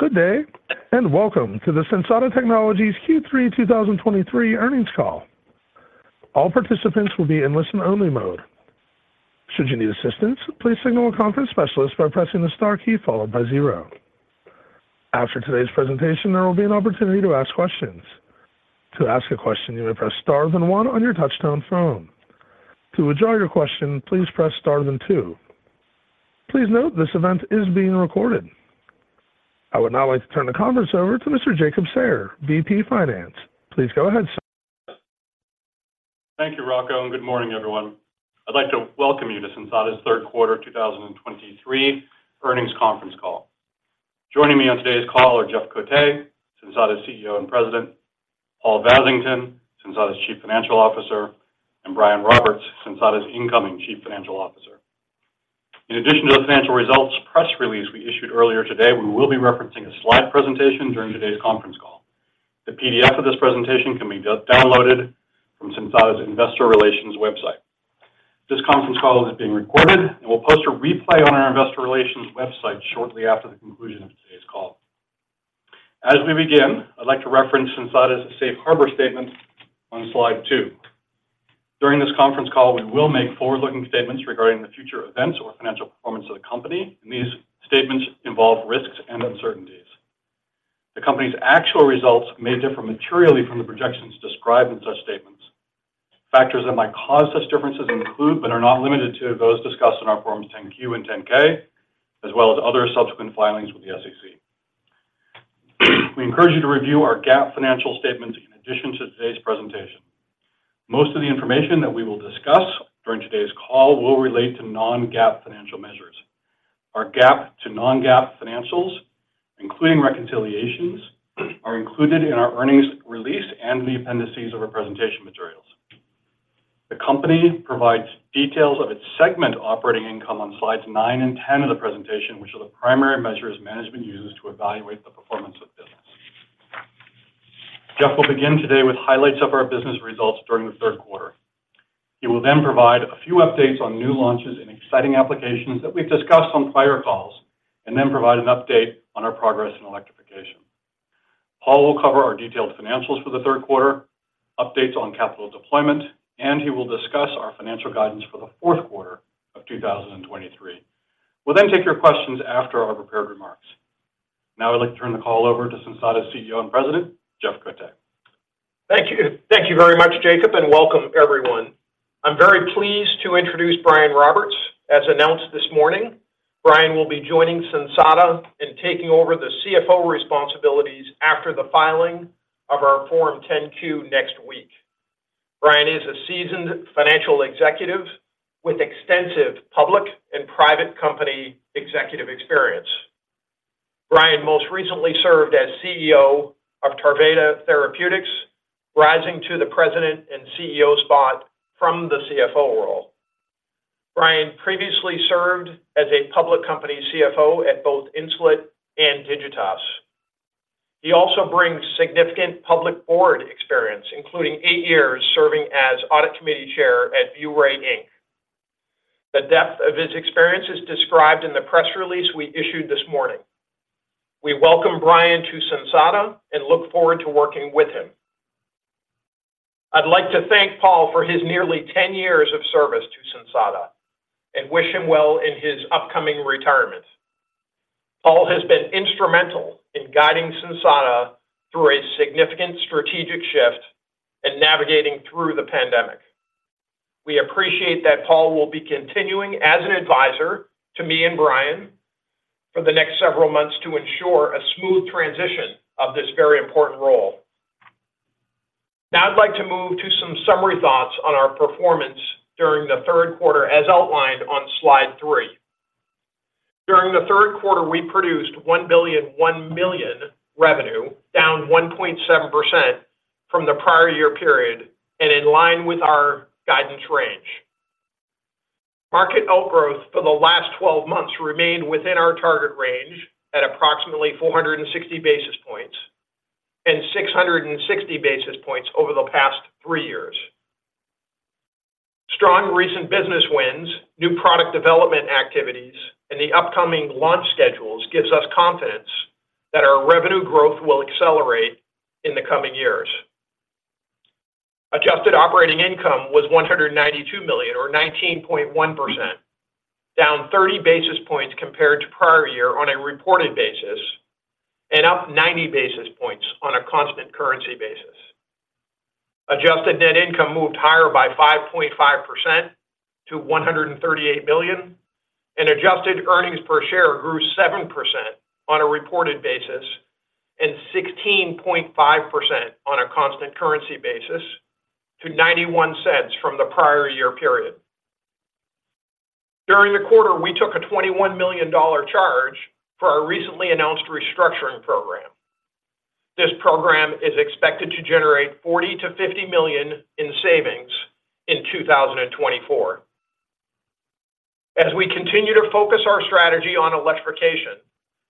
Good day, and welcome to the Sensata Technologies Q3 2023 Earnings Call. All participants will be in listen-only mode. Should you need assistance, please signal a conference specialist by pressing the star key followed by zero. After today's presentation, there will be an opportunity to ask questions. To ask a question, you may press star then one on your touch-tone phone. To withdraw your question, please press star then two. Please note, this event is being recorded. I would now like to turn the conference over to Mr. Jacob Sayer, VP Finance. Please go ahead, sir. Thank you, Rocco, and good morning, everyone. I'd like to welcome you to Sensata's Q3 2023 earnings conference call. Joining me on today's call are Jeff Cote, Sensata's CEO and President, Paul Vasington, Sensata's Chief Financial Officer, and Brian Roberts, Sensata's incoming Chief Financial Officer. In addition to the financial results press release we issued earlier today, we will be referencing a slide presentation during today's conference call. The PDF of this presentation can be downloaded from Sensata's Investor Relations website. This conference call is being recorded, and we'll post a replay on our Investor Relations website shortly after the conclusion of today's call. As we begin, I'd like to reference Sensata's Safe Harbor statement on slide two. During this conference call, we will make forward-looking statements regarding the future events or financial performance of the company, and these statements involve risks and uncertainties. The Company's actual results may differ materially from the projections described in such statements. Factors that might cause such differences include, but are not limited to, those discussed in our Forms 10-Q and 10-K, as well as other subsequent filings with the SEC. We encourage you to review our GAAP financial statements in addition to today's presentation. Most of the information that we will discuss during today's call will relate to non-GAAP financial measures. Our GAAP to non-GAAP financials, including reconciliations, are included in our earnings release and the appendices of our presentation materials. The company provides details of its segment operating income on slides nine and 10 of the presentation, which are the primary measures management uses to evaluate the performance of business. Jeff will begin today with highlights of our business results during the Q3. He will then provide a few updates on new launches and exciting applications that we've discussed on prior calls, and then provide an update on our progress in electrification. Paul will cover our detailed financials for the Q3, updates on capital deployment, and he will discuss our financial guidance for the Q4 of 2023. We'll then take your questions after our prepared remarks. Now, I'd like to turn the call over to Sensata's CEO and President, Jeff Cote. Thank you. Thank you very much, Jacob, and welcome everyone. I'm very pleased to introduce Brian Roberts. As announced this morning, Brian will be joining Sensata and taking over the CFO responsibilities after the filing of our Form 10-Q next week. Brian is a seasoned financial executive with extensive public and private company executive experience. Brian most recently served as CEO of Tarveda Therapeutics, rising to the President and CEO spot from the CFO role. Brian previously served as a public company CFO at both Insulet and Digitas. He also brings significant public board experience, including eight years serving as Audit Committee Chair at ViewRay, Inc. The depth of his experience is described in the press release we issued this morning. We welcome Brian to Sensata and look forward to working with him. I'd like to thank Paul for his nearly 10 years of service to Sensata, and wish him well in his upcoming retirement. Paul has been instrumental in guiding Sensata through a significant strategic shift and navigating through the pandemic. We appreciate that Paul will be continuing as an advisor to me and Brian for the next several months to ensure a smooth transition of this very important role. Now, I'd like to move to some summary thoughts on our performance during the Q3, as outlined on slide three. During the Q3, we produced $1.1 billion revenue, down 1.7% from the prior year period and in line with our guidance range. Market outgrowth for the last 12 months remained within our target range at approximately 460 basis points and 660 basis points over the past three years. Strong recent business wins, new product development activities, and the upcoming launch schedules gives us confidence that our revenue growth will accelerate in the coming years. Adjusted operating income was $192 million or 19.1%, down 30 basis points compared to prior year on a reported basis and up 90 basis points on a constant currency basis. Adjusted net income moved higher by 5.5% to $138 million, and adjusted earnings per share grew 7% on a reported basis and 16.5% on a constant currency basis to $0.91 from the prior year period. During the quarter, we took a $21 million charge for our recently announced restructuring program. This program is expected to generate $40 million-$50 million in savings in 2024. As we continue to focus our strategy on electrification,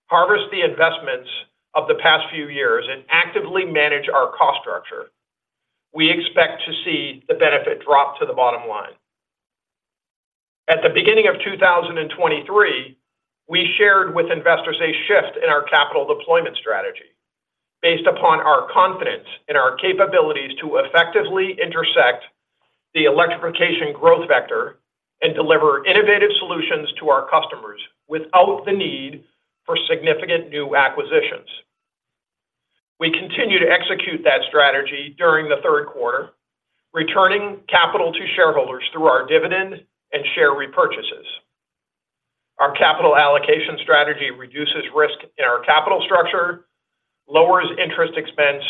harvest the investments of the past few years, and actively manage our cost structure, we expect to see the benefit drop to the bottom line. At the beginning of 2023, we shared with investors a shift in our capital deployment strategy based upon our confidence in our capabilities to effectively intersect the electrification growth vector and deliver innovative solutions to our customers without the need for significant new acquisitions. We continued to execute that strategy during the Q3, returning capital to shareholders through our dividend and share repurchases. Our capital allocation strategy reduces risk in our capital structure, lowers interest expense,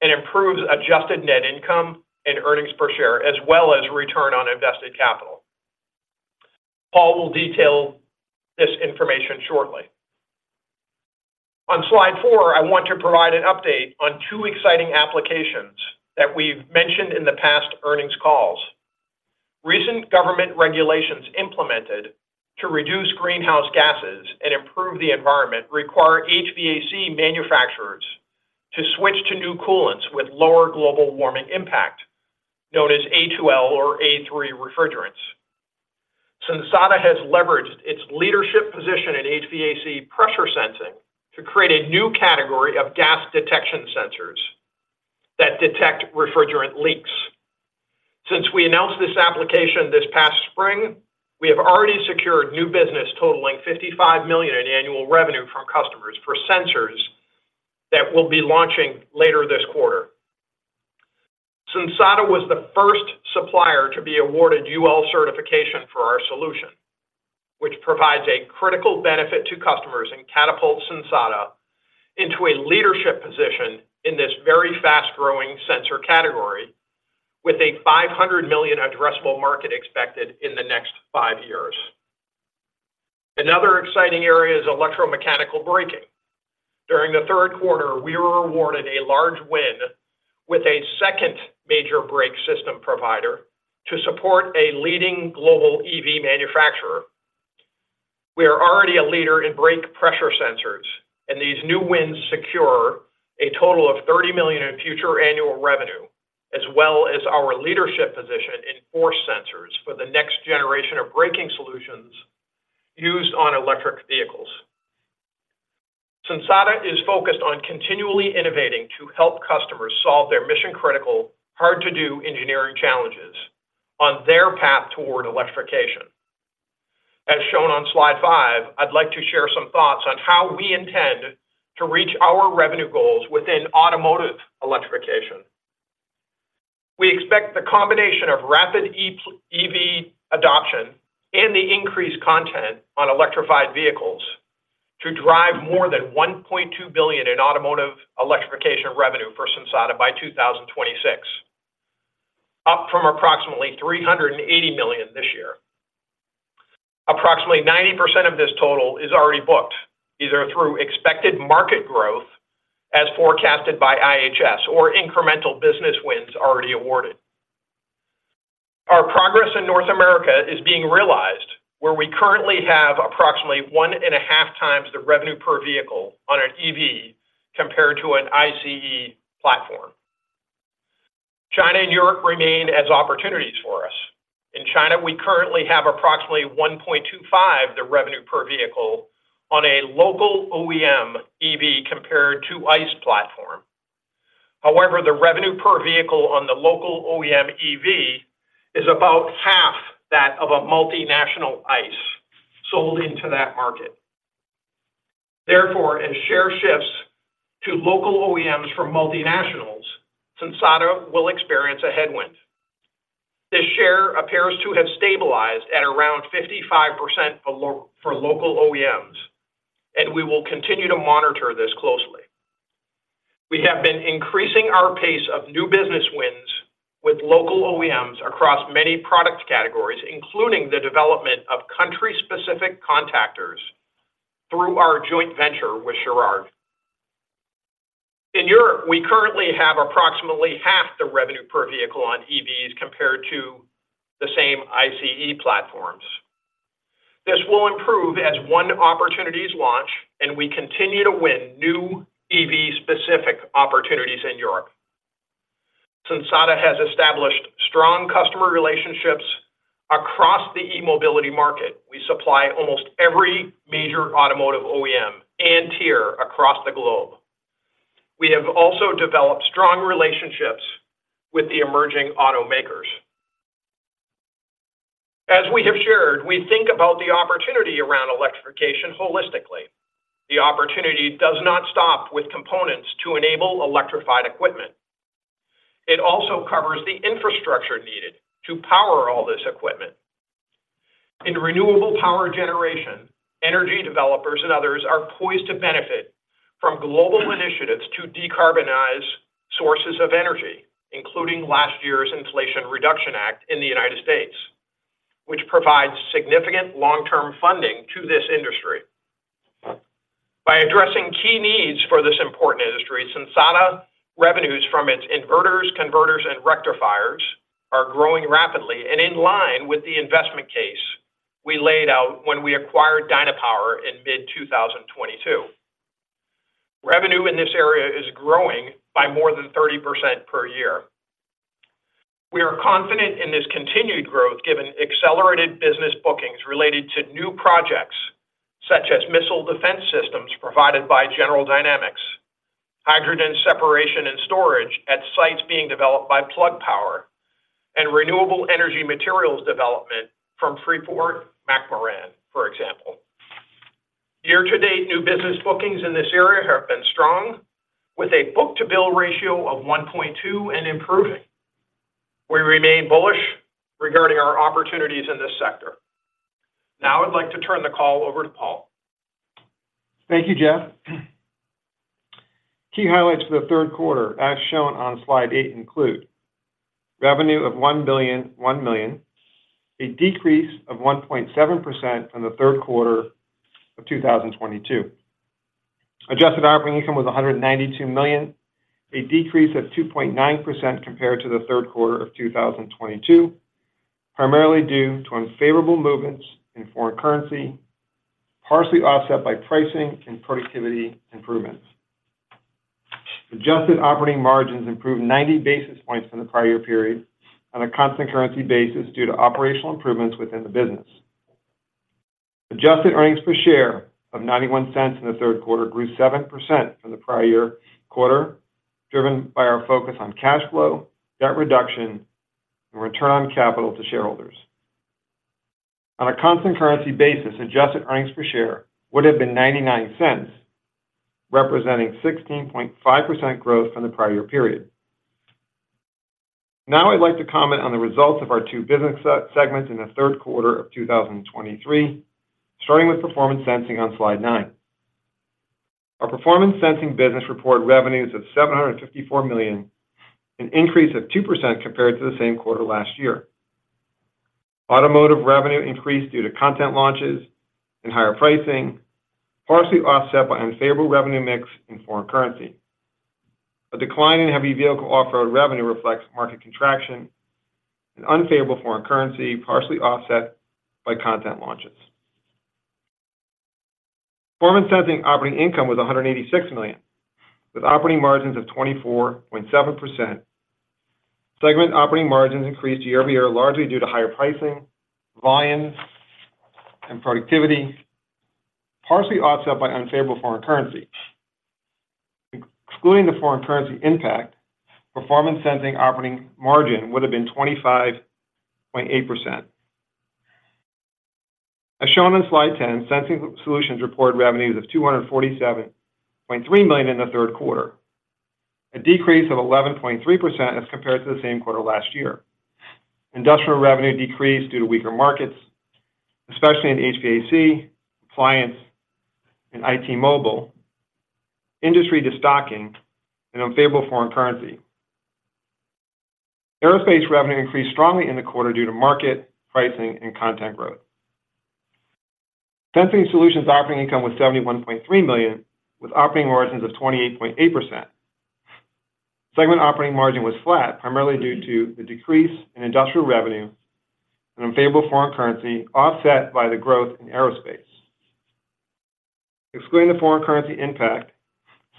and improves adjusted net income and earnings per share, as well as return on invested capital. Paul will detail this information shortly. On slide four, I want to provide an update on two exciting applications that we've mentioned in the past earnings calls. Recent government regulations implemented to reduce greenhouse gases and improve the environment require HVAC manufacturers to switch to new coolants with lower global warming impact, known as A2L or A3 refrigerants. Sensata has leveraged its leadership position in HVAC pressure sensing to create a new category of gas detection sensors that detect refrigerant leaks. Since we announced this application this past spring, we have already secured new business totaling $55 million in annual revenue from customers for sensors that will be launching later this quarter. Sensata was the first supplier to be awarded UL certification for our solution, which provides a critical benefit to customers and catapults Sensata into a leadership position in this very fast-growing sensor category, with a $500 million addressable market expected in the next five years. Another exciting area is electromechanical braking. During the Q3, we were awarded a large win with a second major brake system provider to support a leading global EV manufacturer. We are already a leader in brake pressure sensors, and these new wins secure a total of $30 million in future annual revenue, as well as our leadership position in force sensors for the next generation of braking solutions used on electric vehicles. Sensata is focused on continually innovating to help customers solve their mission-critical, hard-to-do engineering challenges on their path toward electrification. As shown on slide five, I'd like to share some thoughts on how we intend to reach our revenue goals within automotive electrification. We expect the combination of rapid EV adoption and the increased content on electrified vehicles to drive more than $1.2 billion in automotive electrification revenue for Sensata by 2026, up from approximately $380 million this year. Approximately 90% of this total is already booked, either through expected market growth as forecasted by IHS or incremental business wins already awarded. Our progress in North America is being realized, where we currently have approximately 1.5x the revenue per vehicle on an EV compared to an ICE platform. China and Europe remain as opportunities for us. In China, we currently have approximately 1.25 the revenue per vehicle on a local OEM EV compared to ICE platform. However, the revenue per vehicle on the local OEM EV is about half that of a multinational ICE sold into that market. Therefore, as share shifts to local OEMs from multinationals, Sensata will experience a headwind. This share appears to have stabilized at around 55% for local OEMs, and we will continue to monitor this closely. We have been increasing our pace of new business wins with local OEMs across many product categories, including the development of country-specific contactors through our joint venture with Churod. In Europe, we currently have approximately half the revenue per vehicle on EVs compared to the same ICE platforms. This will improve as NBO opportunities launch, and we continue to win new EV-specific opportunities in Europe. Sensata has established strong customer relationships across the e-mobility market. We supply almost every major automotive OEM and tier across the globe. We have also developed strong relationships with the emerging automakers. As we have shared, we think about the opportunity around electrification holistically. The opportunity does not stop with components to enable electrified equipment. It also covers the infrastructure needed to power all this equipment. In renewable power generation, energy developers and others are poised to benefit from global initiatives to decarbonize sources of energy, including last year's Inflation Reduction Act in the United States, which provides significant long-term funding to this industry. By addressing key needs for this important industry, Sensata revenues from its inverters, converters, and rectifiers are growing rapidly and in line with the investment case we laid out when we acquired Dynapower in mid-2022. Revenue in this area is growing by more than 30% per year. We are confident in this continued growth, given accelerated business bookings related to new projects, such as missile defense systems provided by General Dynamics, hydrogen separation and storage at sites being developed by Plug Power, and renewable energy materials development from Freeport-McMoRan, for example. Year-to-date, new business bookings in this area have been strong, with a book-to-bill ratio of 1.2 and improving. We remain bullish regarding our opportunities in this sector. Now, I'd like to turn the call over to Paul. Thank you, Jeff. Key highlights for the Q3, as shown on slide eight, include: revenue of $1.001 billion, a decrease of 1.7% from the Q3 of 2022. Adjusted operating income was $192 million, a decrease of 2.9% compared to the Q3 of 2022, primarily due to unfavorable movements in foreign currency, partially offset by pricing and productivity improvements. Adjusted operating margins improved 90 basis points from the prior year period on a constant currency basis due to operational improvements within the business. Adjusted earnings per share of $0.91 in the Q3 grew 7% from the prior year quarter, driven by our focus on cash flow, debt reduction, and return on capital to shareholders. On a constant currency basis, adjusted earnings per share would have been $0.99, representing 16.5% growth from the prior period. Now, I'd like to comment on the results of our two business segments in the Q3 of 2023, starting with Performance Sensing on slide nine. Our Performance Sensing business reported revenues of $754 million, an increase of 2% compared to the same quarter last year. Automotive revenue increased due to content launches and higher pricing, partially offset by unfavorable revenue mix in foreign currency. A decline in heavy vehicle off-road revenue reflects market contraction and unfavorable foreign currency, partially offset by content launches. Performance Sensing operating income was $186 million, with operating margins of 24.7%. Segment operating margins increased year-over-year, largely due to higher pricing, volumes, and productivity, partially offset by unfavorable foreign currency. Excluding the foreign currency impact, Performance Sensing operating margin would have been 25.8%. As shown on slide 10, Sensing Solutions reported revenues of $247.3 million in the Q3, a decrease of 11.3% as compared to the same quarter last year. Industrial revenue decreased due to weaker markets, especially in HVAC, appliance, and IT mobile, industry destocking, and unfavorable foreign currency. Aerospace revenue increased strongly in the quarter due to market, pricing, and content growth. Sensing Solutions operating income was $71.3 million, with operating margins of 28.8%. Segment operating margin was flat, primarily due to the decrease in industrial revenue and unfavorable foreign currency, offset by the growth in aerospace. Excluding the foreign currency impact,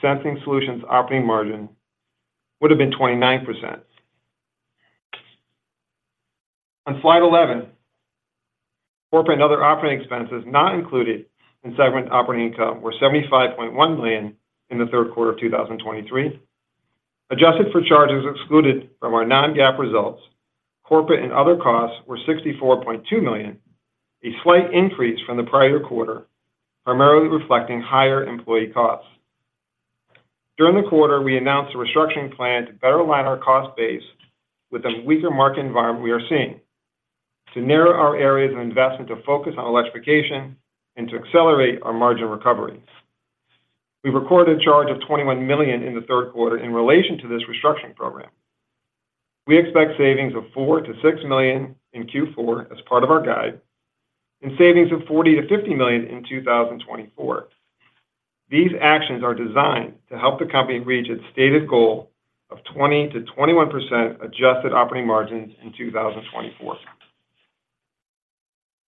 Sensing Solutions operating margin would have been 29%. On slide 11, corporate and other operating expenses not included in segment operating income were $75.1 million in the Q3 of 2023. Adjusted for charges excluded from our non-GAAP results, corporate and other costs were $64.2 million, a slight increase from the prior quarter, primarily reflecting higher employee costs. During the quarter, we announced a restructuring plan to better align our cost base with the weaker market environment we are seeing, to narrow our areas of investment to focus on electrification and to accelerate our margin recoveries. We recorded a charge of $21 million in the Q3 in relation to this restructuring program. We expect savings of $4 million-$6 million in Q4 as part of our guide, and savings of $40 million-$50 million in 2024. These actions are designed to help the company reach its stated goal of 20%-21% adjusted operating margins in 2024.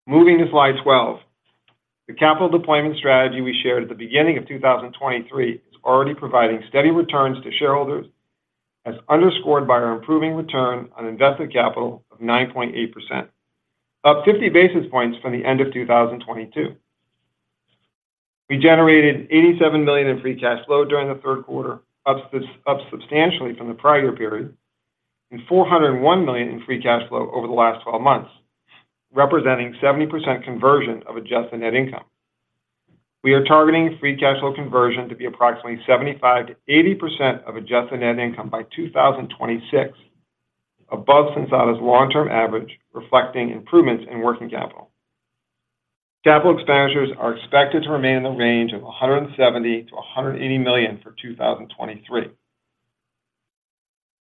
Moving to slide 12. The capital deployment strategy we shared at the beginning of 2023 is already providing steady returns to shareholders, as underscored by our improving return on invested capital of 9.8%, up 50 basis points from the end of 2022. We generated $87 million in free cash flow during the Q3, up substantially from the prior period, and $401 million in free cash flow over the last twelve months, representing 70% conversion of adjusted net income. We are targeting free cash flow conversion to be approximately 75%-80% of adjusted net income by 2026, above Sensata's long-term average, reflecting improvements in working capital. Capital expenditures are expected to remain in the range of $170 million-$180 million for 2023.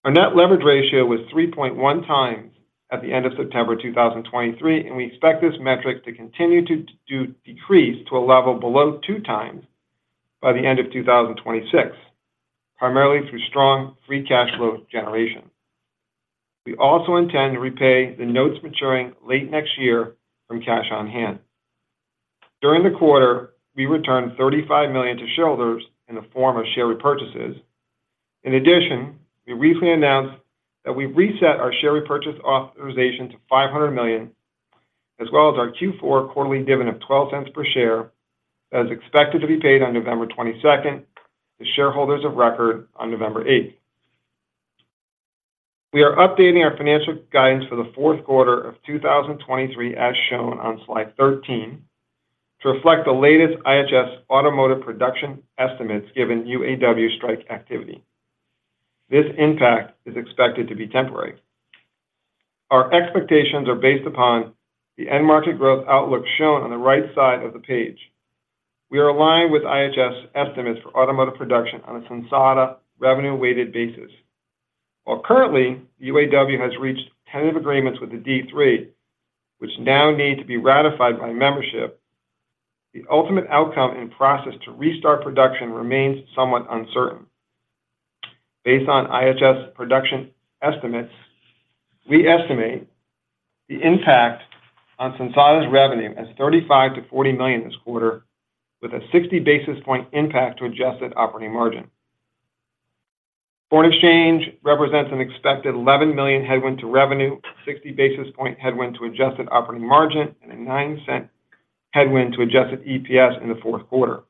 Our net leverage ratio was 3.1x at the end of September 2023, and we expect this metric to continue to decrease to a level below two times by the end of 2026, primarily through strong free cash flow generation. We also intend to repay the notes maturing late next year from cash on hand. During the quarter, we returned $35 million to shareholders in the form of share repurchases. In addition, we recently announced that we've reset our share repurchase authorization to $500 million, as well as our Q4 quarterly dividend of $0.12 per share, that is expected to be paid on 22 November to shareholders of record on 8 November. We are updating our financial guidance for the Q4 of 2023, as shown on slide 13, to reflect the latest IHS Automotive production estimates, given UAW strike activity. This impact is expected to be temporary. Our expectations are based upon the end market growth outlook shown on the right side of the page. We are aligned with IHS estimates for automotive production on a Sensata revenue-weighted basis. While currently, UAW has reached tentative agreements with the D3, which now need to be ratified by membership, the ultimate outcome and process to restart production remains somewhat uncertain. Based on IHS production estimates, we estimate the impact on Sensata's revenue as $35 million-$40 million this quarter, with a 60 basis point impact to adjusted operating margin. Foreign exchange represents an expected $11 million headwind to revenue, 60 basis point headwind to adjusted operating margin, and a $0.09 headwind to adjusted EPS in the Q4.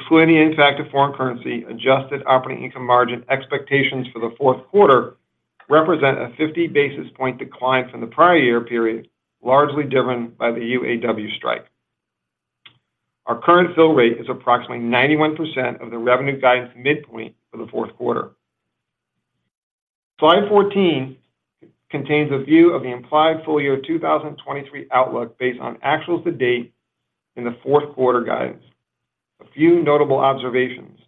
Excluding the impact of foreign currency, adjusted operating income margin expectations for the Q4 represent a 50 basis point decline from the prior year period, largely driven by the UAW strike. Our current fill rate is approximately 91% of the revenue guidance midpoint for the Q4. Slide 14 contains a view of the implied full year 2023 outlook based on actuals to date in the Q4 guidance. A few notable observations.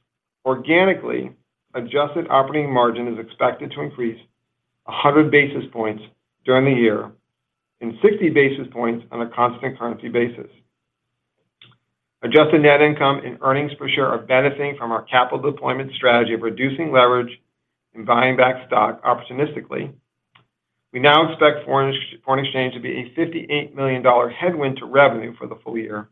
Organically, adjusted operating margin is expected to increase 100 basis points during the year and 60 basis points on a constant currency basis. Adjusted net income and earnings per share are benefiting from our capital deployment strategy of reducing leverage and buying back stock opportunistically. We now expect foreign exchange to be a $58 million headwind to revenue for the full year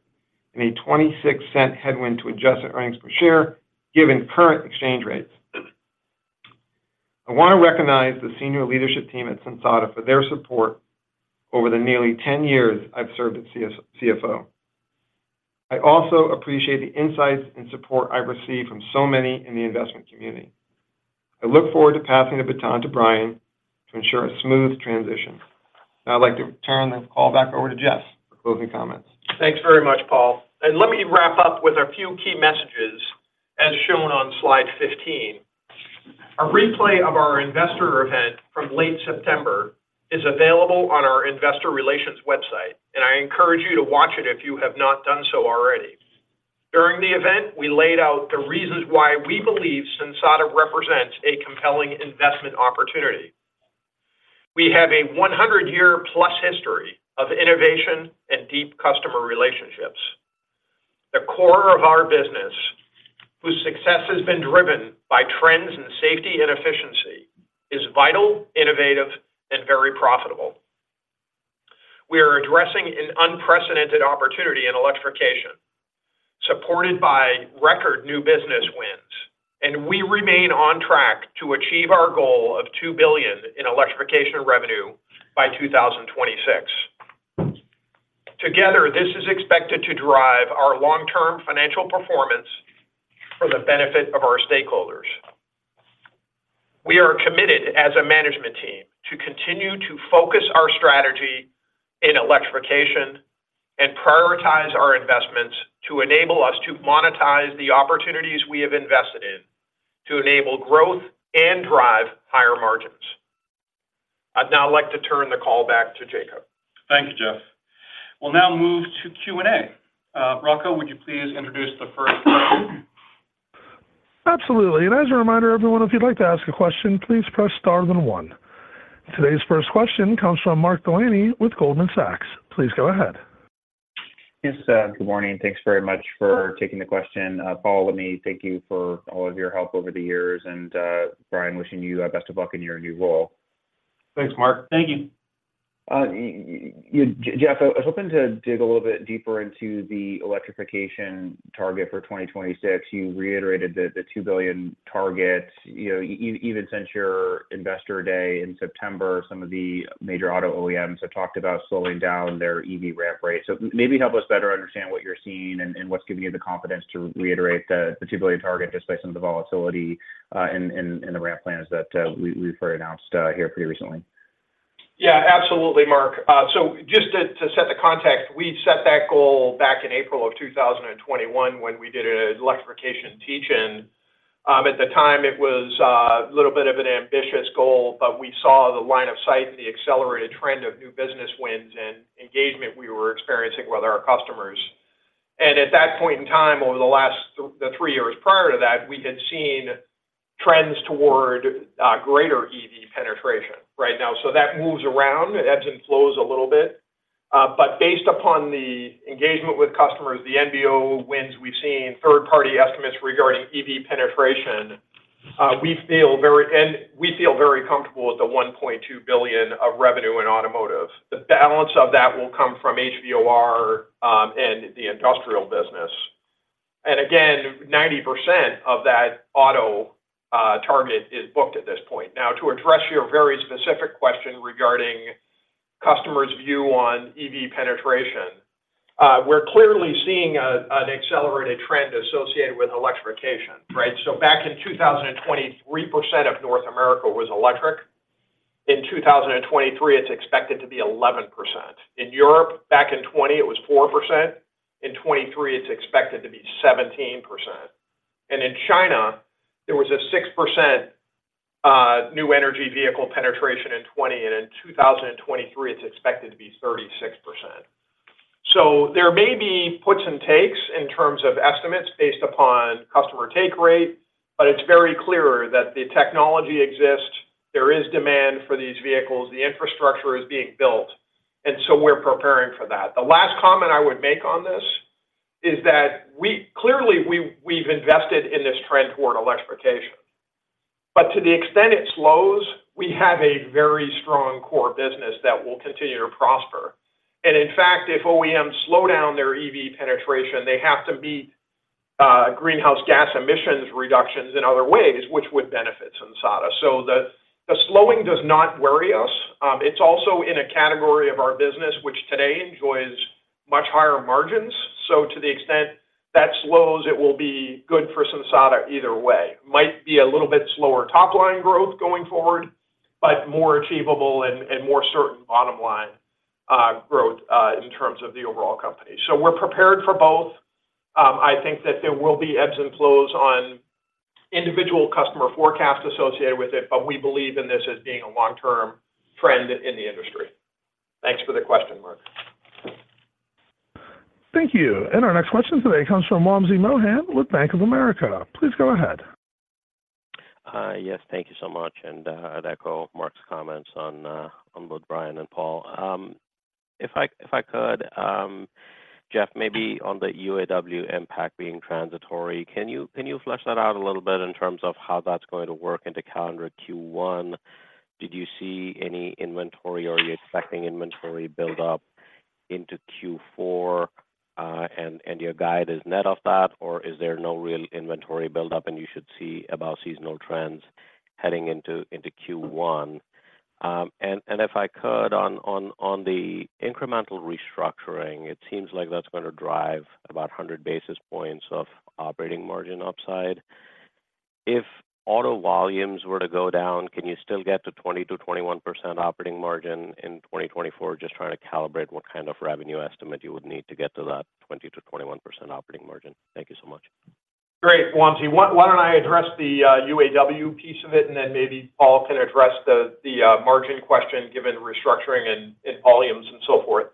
and a $0.26 headwind to adjusted earnings per share, given current exchange rates. I want to recognize the senior leadership team at Sensata for their support over the nearly 10 years I've served as CFO. I also appreciate the insights and support I've received from so many in the investment community. I look forward to passing the baton to Brian to ensure a smooth transition. Now, I'd like to turn this call back over to Jeff for closing comments. Thanks very much, Paul. Let me wrap up with a few key messages, as shown on slide 15. A replay of our investor event from late September is available on our investor relations website, and I encourage you to watch it if you have not done so already. During the event, we laid out the reasons why we believe Sensata represents a compelling investment opportunity. We have a 100-year-plus history of innovation and deep customer relationships. The core of our business, whose success has been driven by trends in safety and efficiency, is vital, innovative, and very profitable. We are addressing an unprecedented opportunity in electrification, supported by record new business wins, and we remain on track to achieve our goal of $2 billion in electrification revenue by 2026. Together, this is expected to drive our long-term financial performance for the benefit of our stakeholders. We are committed as a management team to continue to focus our strategy in electrification and prioritize our investments to enable us to monetize the opportunities we have invested in, to enable growth and drive higher margins. I'd now like to turn the call back to Jacob. Thank you, Jeff. We'll now move to Q&A. Rocco, would you please introduce the first question? Absolutely. As a reminder, everyone, if you'd like to ask a question, please press star then one. Today's first question comes from Mark Delaney with Goldman Sachs. Please go ahead. Yes, good morning. Thanks very much for taking the question. Paul, let me thank you for all of your help over the years, and, Brian, wishing you the best of luck in your new role. Thanks, Mark. Thank you. Jeff, I was hoping to dig a little bit deeper into the electrification target for 2026. You reiterated the $2 billion target. You know, even since your Investor Day in September, some of the major auto OEMs have talked about slowing down their EV ramp rate. Maybe help us better understand what you're seeing and what's giving you the confidence to reiterate the $2 billion target, just by some of the volatility in the ramp plans that we've heard announced here pretty recently. Yeah, absolutely, Mark. Just to set the context, we set that goal back in April of 2021 when we did an electrification teach-in. At the time, it was a little bit of an ambitious goal, but we saw the line of sight and the accelerated trend of new business wins and engagement we were experiencing with our customers. At that point in time, over the last three years prior to that, we had seen trends toward greater EV penetration right now so that moves around. It ebbs and flows a little bit But based upon the engagement with customers, the NBO wins, we've seen third-party estimates regarding EV penetration, we feel very comfortable with the $1.2 billion of revenue in automotive. The balance of that will come from HVOR and the industrial business. Again, 90% of that auto target is booked at this point. Now, to address your very specific question regarding customers' view on EV penetration, we're clearly seeing an accelerated trend associated with electrification, right? Back in 2020, 3% of North America was electric. In 2023, it's expected to be 11%. In Europe, back in 2020, it was 4%. In 2023, it's expected to be 17%. In China, there was a 6% new energy vehicle penetration in 2020, and in 2023, it's expected to be 36%, so there may be puts and takes in terms of estimates based upon customer take rate, but it's very clear that the technology exists. There is demand for these vehicles, the infrastructure is being built, and so we're preparing for that. The last comment I would make on this is that we clearly, we've invested in this trend toward electrification but to the extent it slows, we have a very strong core business that will continue to prosper. In fact, if OEMs slow down their EV penetration, they have to meet greenhouse gas emissions reductions in other ways, which would benefit Sensata so the slowing does not worry us. It's also in a category of our business, which today enjoys much higher margins to the extent that slows, it will be good for Sensata either way. Might be a little bit slower top line growth going forward, but more achievable and more certain bottom line growth in terms of the overall company. We're prepared for both. I think that there will be ebbs and flows on individual customer forecast associated with it, but we believe in this as being a long-term trend in the industry. Thanks for the question, Mark. Thank you. Our next question today comes from Wamsi Mohan with Bank of America. Please go ahead. Yes, thank you so much, and I'd echo Mark's comments on both Brian and Paul. If I could, Jeff, maybe on the UAW impact being transitory, can you flesh that out a little bit in terms of how that's going to work into calendar Q1? Did you see any inventory or are you expecting inventory build up into Q4, and your guide is net of that, or is there no real inventory build up, and you should see about seasonal trends heading into Q1? If I could on the incremental restructuring, it seems like that's gonna drive about 100 basis points of operating margin upside. If auto volumes were to go down, can you still get to 20%-21% operating margin in 2024? Just trying to calibrate what kind of revenue estimate you would need to get to that 20%-21% operating margin. Thank you so much. Great, Wamsi. Why don't I address the UAW piece of it, and then maybe Paul can address the margin question, given restructuring and volumes and so forth.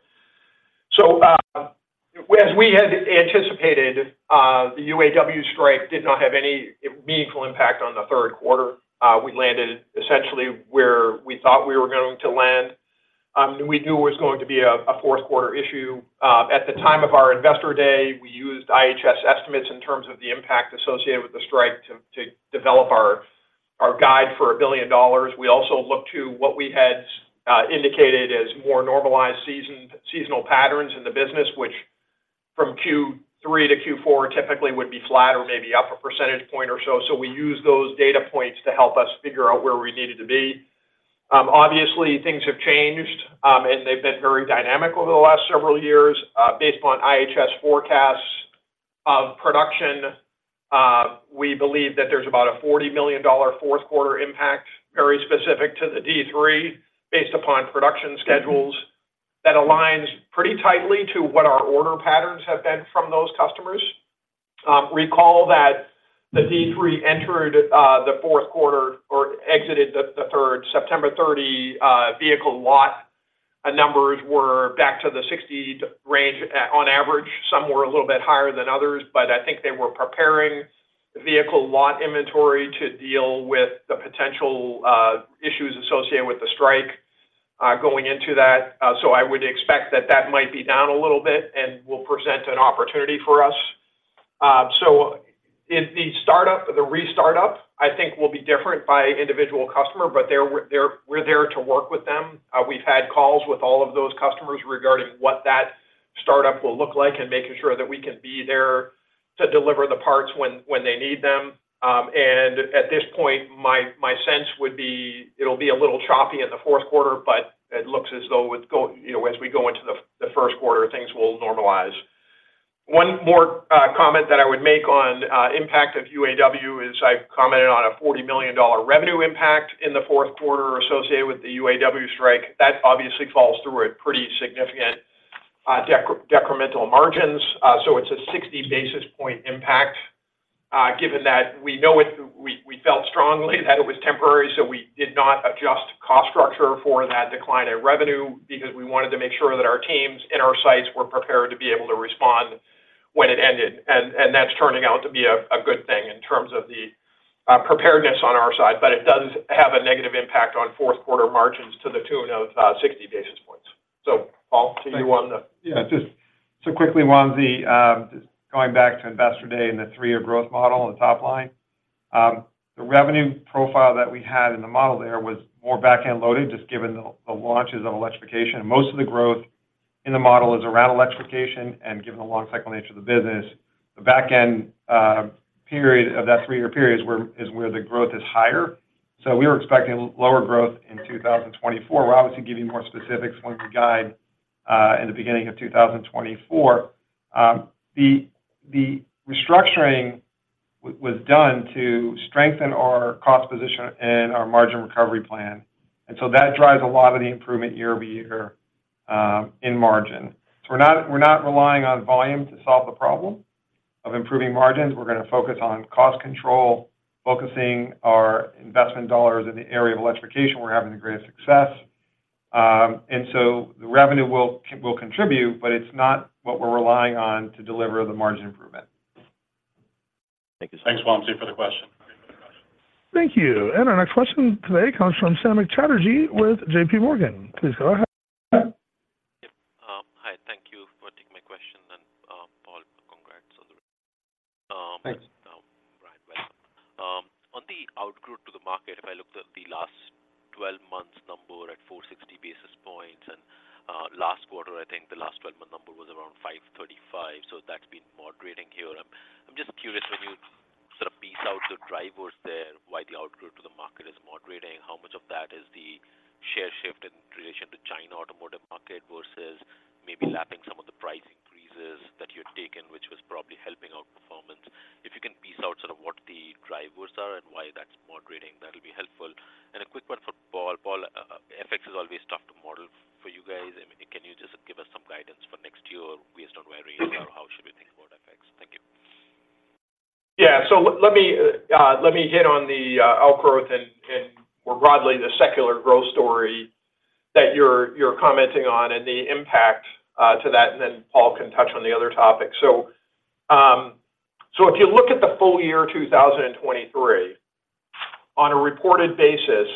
As we had anticipated, the UAW strike did not have any meaningful impact on the Q3. We landed essentially where we thought we were going to land. We knew it was going to be a Q4 issue. At the time of our Investor Day, we used IHS estimates in terms of the impact associated with the strike to develop our guide for $1 billion. We also looked to what we had indicated as more normalized seasonal patterns in the business, which from Q3 to Q4 typically would be flat or maybe up a percentage point or so. We used those data points to help us figure out where we needed to be. Obviously, things have changed, and they've been very dynamic over the last several years. Based upon IHS forecasts of production, we believe that there's about a $40 million Q4 impact, very specific to the D3, based upon production schedules, that aligns pretty tightly to what our order patterns have been from those customers. Recall that the D3 entered the Q4 or exited the third 30 September vehicle lot. Numbers were back to the 60 range, on average. Some were a little bit higher than others, but I think they were preparing the vehicle lot inventory to deal with the potential issues associated with the strike, going into that. I would expect that that might be down a little bit and will present an opportunity for us. If the startup or the restartup, I think will be different by individual customer, but they're—we're there to work with them. We've had calls with all of those customers regarding what that startup will look like and making sure that we can be there to deliver the parts when they need them. At this point, my sense would be it'll be a little choppy in the Q4, but it looks as though, you know, as we go into the Q1, things will normalize. One more comment that I would make on impact of UAW is I've commented on a $40 million revenue impact in the Q4 associated with the UAW strike. That obviously falls through a pretty significant decremental margins so it's a 60 basis point impact, given that we know it, we felt strongly that it was temporary, so we did not adjust cost structure for that decline in revenue, because we wanted to make sure that our teams and our sites were prepared to be able to respond when it ended and that's turning out to be a good thing in terms of the preparedness on our side, but it does have a negative impact on Q4 margins to the tune of 60 basis points. Paul, do youwant to? Yeah, just so quickly, just going back to Investor Day and the three-year growth model on the top line. The revenue profile that we had in the model there was more back-end loading, just given the launches on electrification. Most of the growth in the model is around electrification and given the long cycle nature of the business, the back-end period of that three-year period is where the growth is higher so we were expecting lower growth in 2024. We'll obviously give you more specifics when we guide in the beginning of 2024. The restructuring was done to strengthen our cost position and our margin recovery plan, and so that drives a lot of the improvement year-over-year in margin. We're not relying on volume to solve the problem of improving margins. We're gonna focus on cost control, focusing our investment dollars in the area of electrification, where we're having the greatest success and so the revenue will contribute, but it's not what we're relying on to deliver the margin improvement. Thank you. Thanks, Wamsi, for the question. Thank you. Our next question today comes from Samik Chatterjee with JP Morgan. Please go ahead. Yep. Hi, thank you for taking my question. Paul, congrats on the [inaudible] Thanks. Brian, welcome. On the outgrowth to the market, if I looked at the last 12 months number at 460 basis points, and last quarter, I think the last twelve-month number was around 535, so that's been moderating here. I'm just curious, when you sort of piece out the drivers there, why the outgrowth to the market is moderating? How much of that is the share shift in relation to China automotive market versus maybe lapping some of the price increases that you had taken, which was probably helping out performance? If you can piece out sort of what the drivers are and why that's moderating, that'll be helpful. A quick one for Paul. Paul, FX is always tough to model for you guys. I mean, can you just give us some guidance for next year based on where we are? How should we think about FX? Thank you. Yeah. Let me hit on the outgrowth and, more broadly, the secular growth story that you're commenting on and the impact to that, and then Paul can touch on the other topics. If you look at the full year 2023, on a reported basis,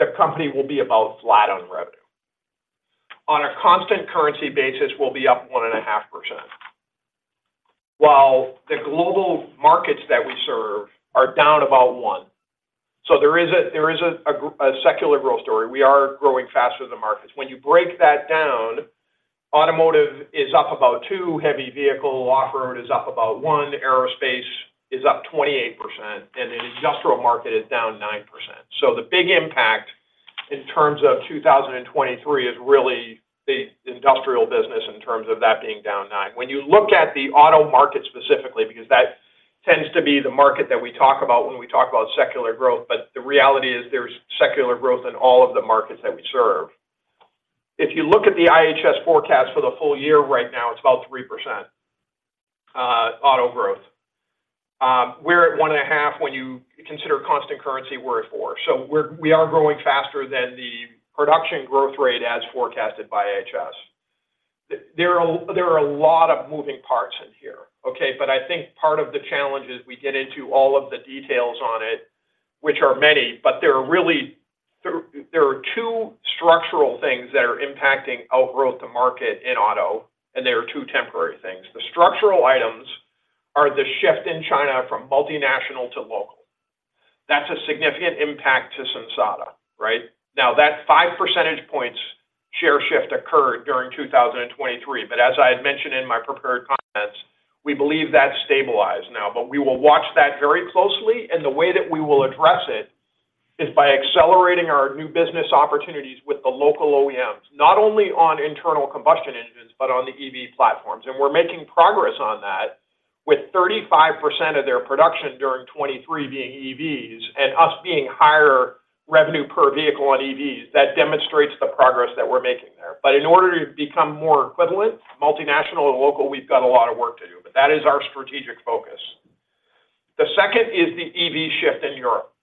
the company will be about flat on revenue. On a constant currency basis, we'll be up 1.5%, while the global markets that we serve are down about 1% so there is a secular growth story. We are growing faster than markets. When you break that down, automotive is up about 2%, Heavy Vehicle Off-Road is up about 1%, aerospace is up 28%, and the industrial market is down 9%. The big impact in terms of 2023 is really the industrial business in terms of that being down 9%. When you look at the auto market specifically, because that tends to be the market that we talk about when we talk about secular growth, but the reality is there's secular growth in all of the markets that we serve. If you look at the IHS forecast for the full year right now, it's about 3%, auto growth. We're at 1.5. When you consider constant currency, we're at 4% so we are growing faster than the production growth rate as forecasted by IHS. There are a lot of moving parts in here, okay? But I think part of the challenge is we get into all of the details on it, which are many, but there are really two structural things that are impacting our growth to market in auto, and there are two temporary things. The structural items are the shift in China from multinational to local. That's a significant impact to Sensata, right? Now, that five percentage points share shift occurred during 2023, but as I had mentioned in my prepared comments, we believe that's stabilized now but we will watch that very closely, and the way that we will address it is by accelerating our new business opportunities with the local OEMs, not only on internal combustion engines, but on the EV platforms. We're making progress on that with 35% of their production during 2023 being EVs and us being higher revenue per vehicle on EVs. That demonstrates the progress that we're making there but in order to become more equivalent, multinational and local, we've got a lot of work to do, but that is our strategic focus. The second is the EV shift in Europe.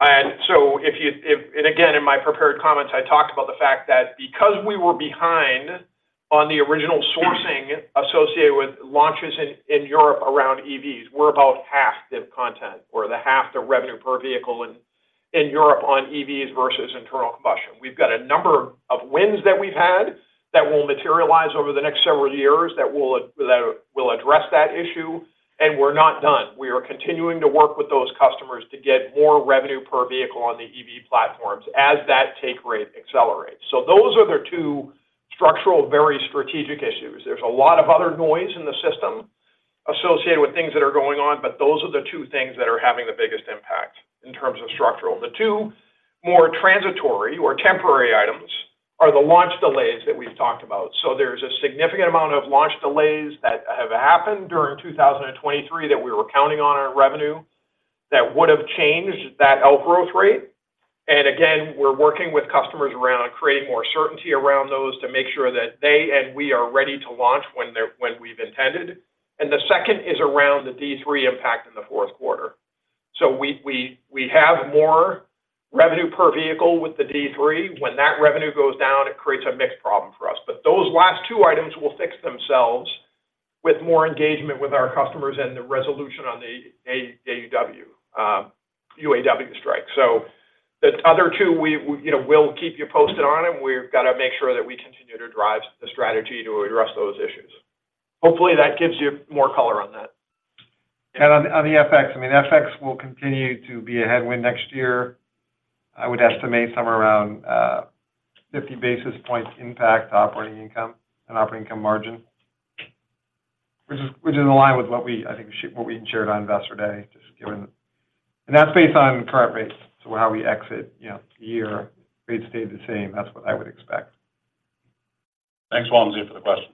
Again, in my prepared comments, I talked about the fact that because we were behind on the original sourcing associated with launches in Europe around EVs, we're about half the content or the half the revenue per vehicle in Europe on EVs versus internal combustion. We've got a number of wins that we've had that will materialize over the next several years, that will, that will address that issue, and we're not done. We are continuing to work with those customers to get more revenue per vehicle on the EV platforms as that take rate accelerates, so those are the two structural, very strategic issues. There's a lot of other noise in the system associated with things that are going on, but those are the two things that are having the biggest impact in terms of structural. The two more transitory or temporary items are the launch delays that we've talked about. There's a significant amount of launch delays that have happened during 2023 that we were counting on our revenue, that would have changed that outgrowth rate and again, we're working with customers around creating more certainty around those to make sure that they and we are ready to launch when we've intended and the second is around the D3 impact in the Q4. We have more revenue per vehicle with the D3, when that revenue goes down, it creates a mix problem for us. But those last two items will fix themselves with more engagement with our customers and the resolution on the UAW strike. The other two we'll keep you posted on them. We've got to make sure that we continue to drive the strategy to address those issues. Hopefully, that gives you more color on that. On the FX, I mean, FX will continue to be a headwind next year. I would estimate somewhere around 50 basis points impact operating income and operating income margin, which is, which is in line with what we—I think, what we shared on Investor Day, just given. That's based on current rates. How we exit, you know, the year, rates stay the same. That's what I would expect. Thanks, Wamsi, for the question.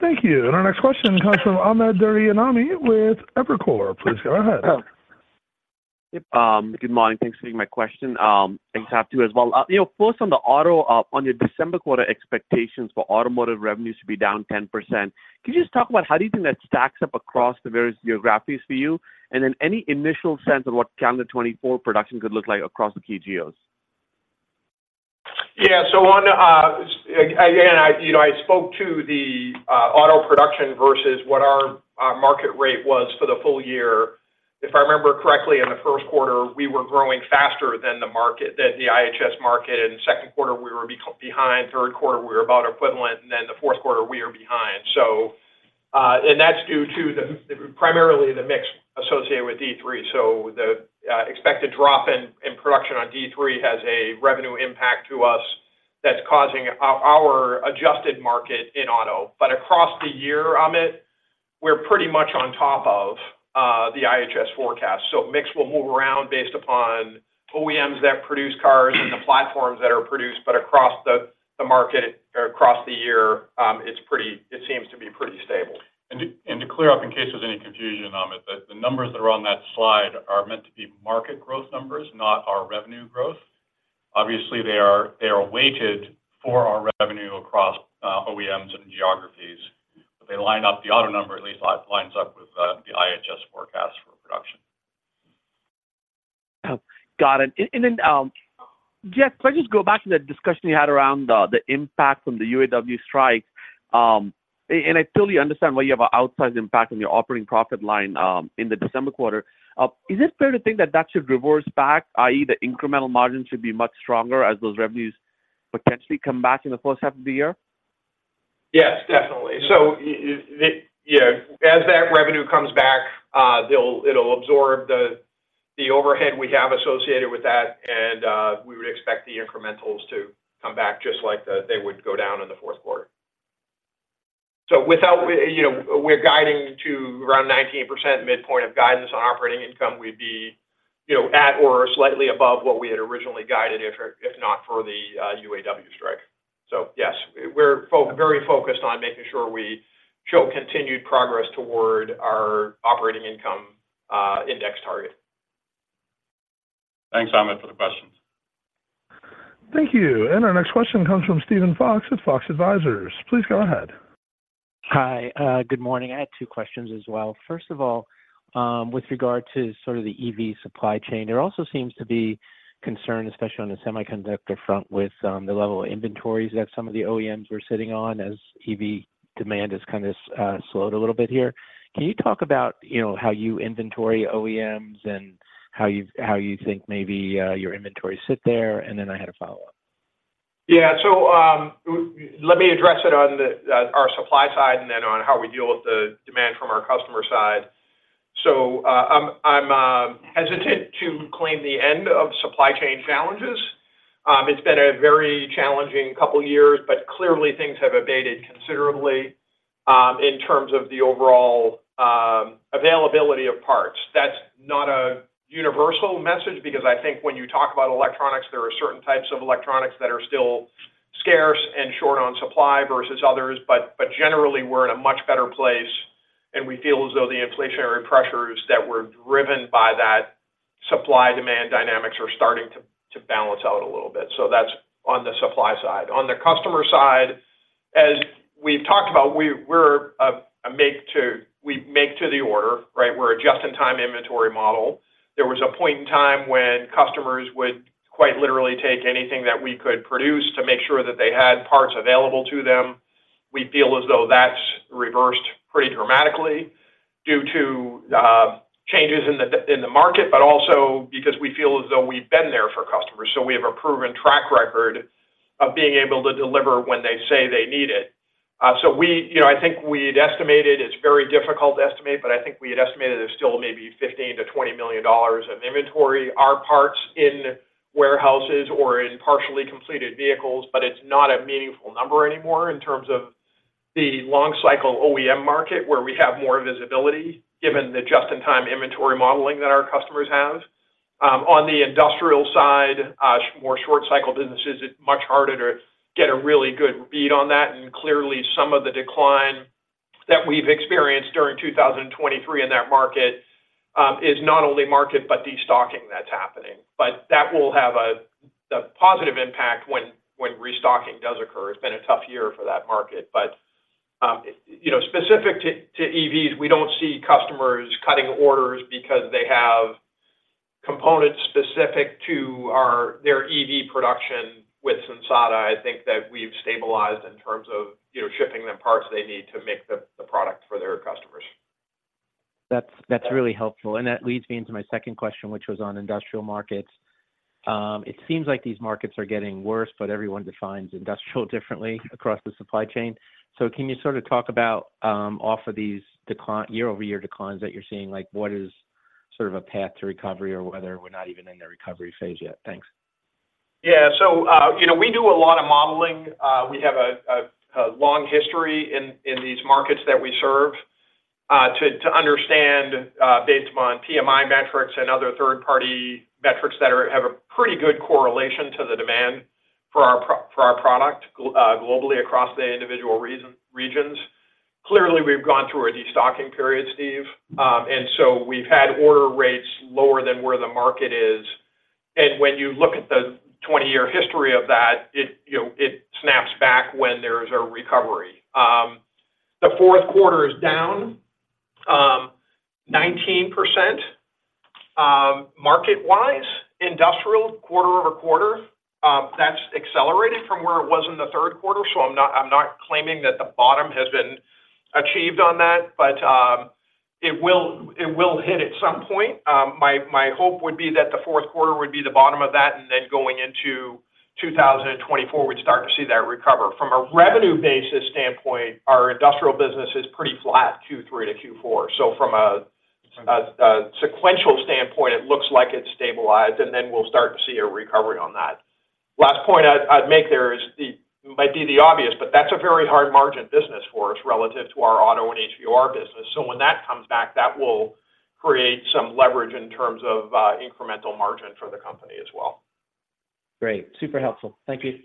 Thank you. Our next question comes from Amit Daryanani with Evercore. Please, go ahead. Good morning. Thanks for taking my question, and talk to you as well. You know, first on the auto, on your December quarter expectations for automotive revenues to be down 10%, can you just talk about how do you think that stacks up across the various geographies for you? Then any initial sense of what calendar 2024 production could look like across the key geos? Yeah, so on again, you know, I spoke to the auto production versus what our market rate was for the full year. If I remember correctly, in the Q1, we were growing faster than the market, than the IHS market, and second quarter, we were behind, Q3, we were about equivalent, and then the Q4, we are behind, and that's due to primarily the mix associated with D3 so the expected drop in production on D3 has a revenue impact to us that's causing our adjusted market in auto. But across the year, Amit, we're pretty much on top of the IHS forecast. Mix will move around based upon OEMs that produce cars and the platforms that are produced, but across the market or across the year, it seems to be pretty stable. To clear up, in case there's any confusion, Amit, that the numbers that are on that slide are meant to be market growth numbers, not our revenue growth. Obviously, they are weighted for our revenue across OEMs and geographies, but they line up the auto number, at least lines up with the IHS forecast for production. Got it. Then, Jeff, can I just go back to that discussion you had around the impact from the UAW strike? I totally understand why you have an outsized impact on your operating profit line in the December quarter. Is it fair to think that that should reverse back, i.e., the incremental margin should be much stronger as those revenues potentially come back in the first half of the year? Yes, definitely. Yeah, as that revenue comes back, it'll absorb the overhead we have associated with that, and we would expect the incrementals to come back just like they would go down in the Q4. We're guiding to around 19% midpoint of guidance on operating income, we'd be, you know, at or slightly above what we had originally guided if not for the UAW strike. So yes, we're very focused on making sure we show continued progress toward our operating income index target. Thanks, Amit, for the question. Thank you. Our next question comes from Steven Fox at Fox Advisors. Please go ahead. Hi. Good morning. I had two questions as well. First of all, with regard to sort of the EV supply chain, there also seems to be concern, especially on the semiconductor front, with the level of inventories that some of the OEMs are sitting on as EV demand has kind of slowed a little bit here. Can you talk about, you know, how you inventory OEMs and how you think maybe your inventory sit there? Then I had a follow-up. Yeah. Let me address it on our supply side and then on how we deal with the demand from our customer side. I'm hesitant to claim the end of supply chain challenges. It's been a very challenging couple of years, but clearly, things have abated considerably, in terms of the overall availability of parts. That's not a universal message, because I think when you talk about electronics, there are certain types of electronics that are still scarce and short on supply versus others. But generally, we're in a much better place, and we feel as though the inflationary pressures that were driven by that supply-demand dynamics are starting to balance out a little bit so that's on the supply side. On the customer side, as we've talked about, we're a make-to-order, right? We're a just-in-time inventory model. There was a point in time when customers would quite literally take anything that we could produce to make sure that they had parts available to them. We feel as though that's reversed pretty dramatically due to changes in the market, but also because we feel as though we've been there for customers so we have a proven track record of being able to deliver when they say they need it. I think we had estimated, it's very difficult to estimate, but I think we had estimated there's still maybe $15 million-$20 million of inventory, our parts in warehouses or in partially completed vehicles, but it's not a meaningful number anymore in terms of the long cycle OEM market, where we have more visibility, given the just-in-time inventory modeling that our customers have. On the industrial side, more short cycle businesses, it's much harder to get a really good read on that, and clearly, some of the decline that we've experienced during 2023 in that market, is not only market, but destocking that's happening. But that will have a, the positive impact when, when restocking does occur. It's been a tough year for that market. Specific to EVs, we don't see customers cutting orders because they have components specific to our, their EV production with Sensata. I think that we've stabilized in terms of, you know, shipping them parts they need to make the product for their customers. That's, that's really helpful, and that leads me into my second question, which was on industrial markets. It seems like these markets are getting worse, but everyone defines industrial differently across the supply chain so can you sort of talk about off of these year-over-year declines that you're seeing? Like, what is sort of a path to recovery or whether we're not even in the recovery phase yet? Thanks. Yeah. We do a lot of modeling. We have a long history in these markets that we serve to understand based upon PMI metrics and other third-party metrics that have a pretty good correlation to the demand for our product globally across the individual regions. Clearly, we've gone through a destocking period, Steve and so we've had order rates lower than where the market is and when you look at the 20-year history of that, it, you know, it snaps back when there's a recovery. The Q4 is down 19%, market-wise, industrial, quarter-over-quarter. That's accelerated from where it was in the Q3, so I'm not, I'm not claiming that the bottom has been achieved on that, but, it will, it will hit at some point. My, my hope would be that the Q4 would be the bottom of that, and then going into 2024, we'd start to see that recover. From a revenue basis standpoint, our industrial business is pretty flat, Q3 to Q4 so from a sequential standpoint, it looks like it's stabilized, and then we'll start to see a recovery on that. Last point I'd, I'd make there is it might be the obvious, but that's a very hard margin business for us relative to our auto and HVOR business. So when that comes back, that will create some leverage in terms of incremental margin for the company as well. Great. Super helpful. Thank you.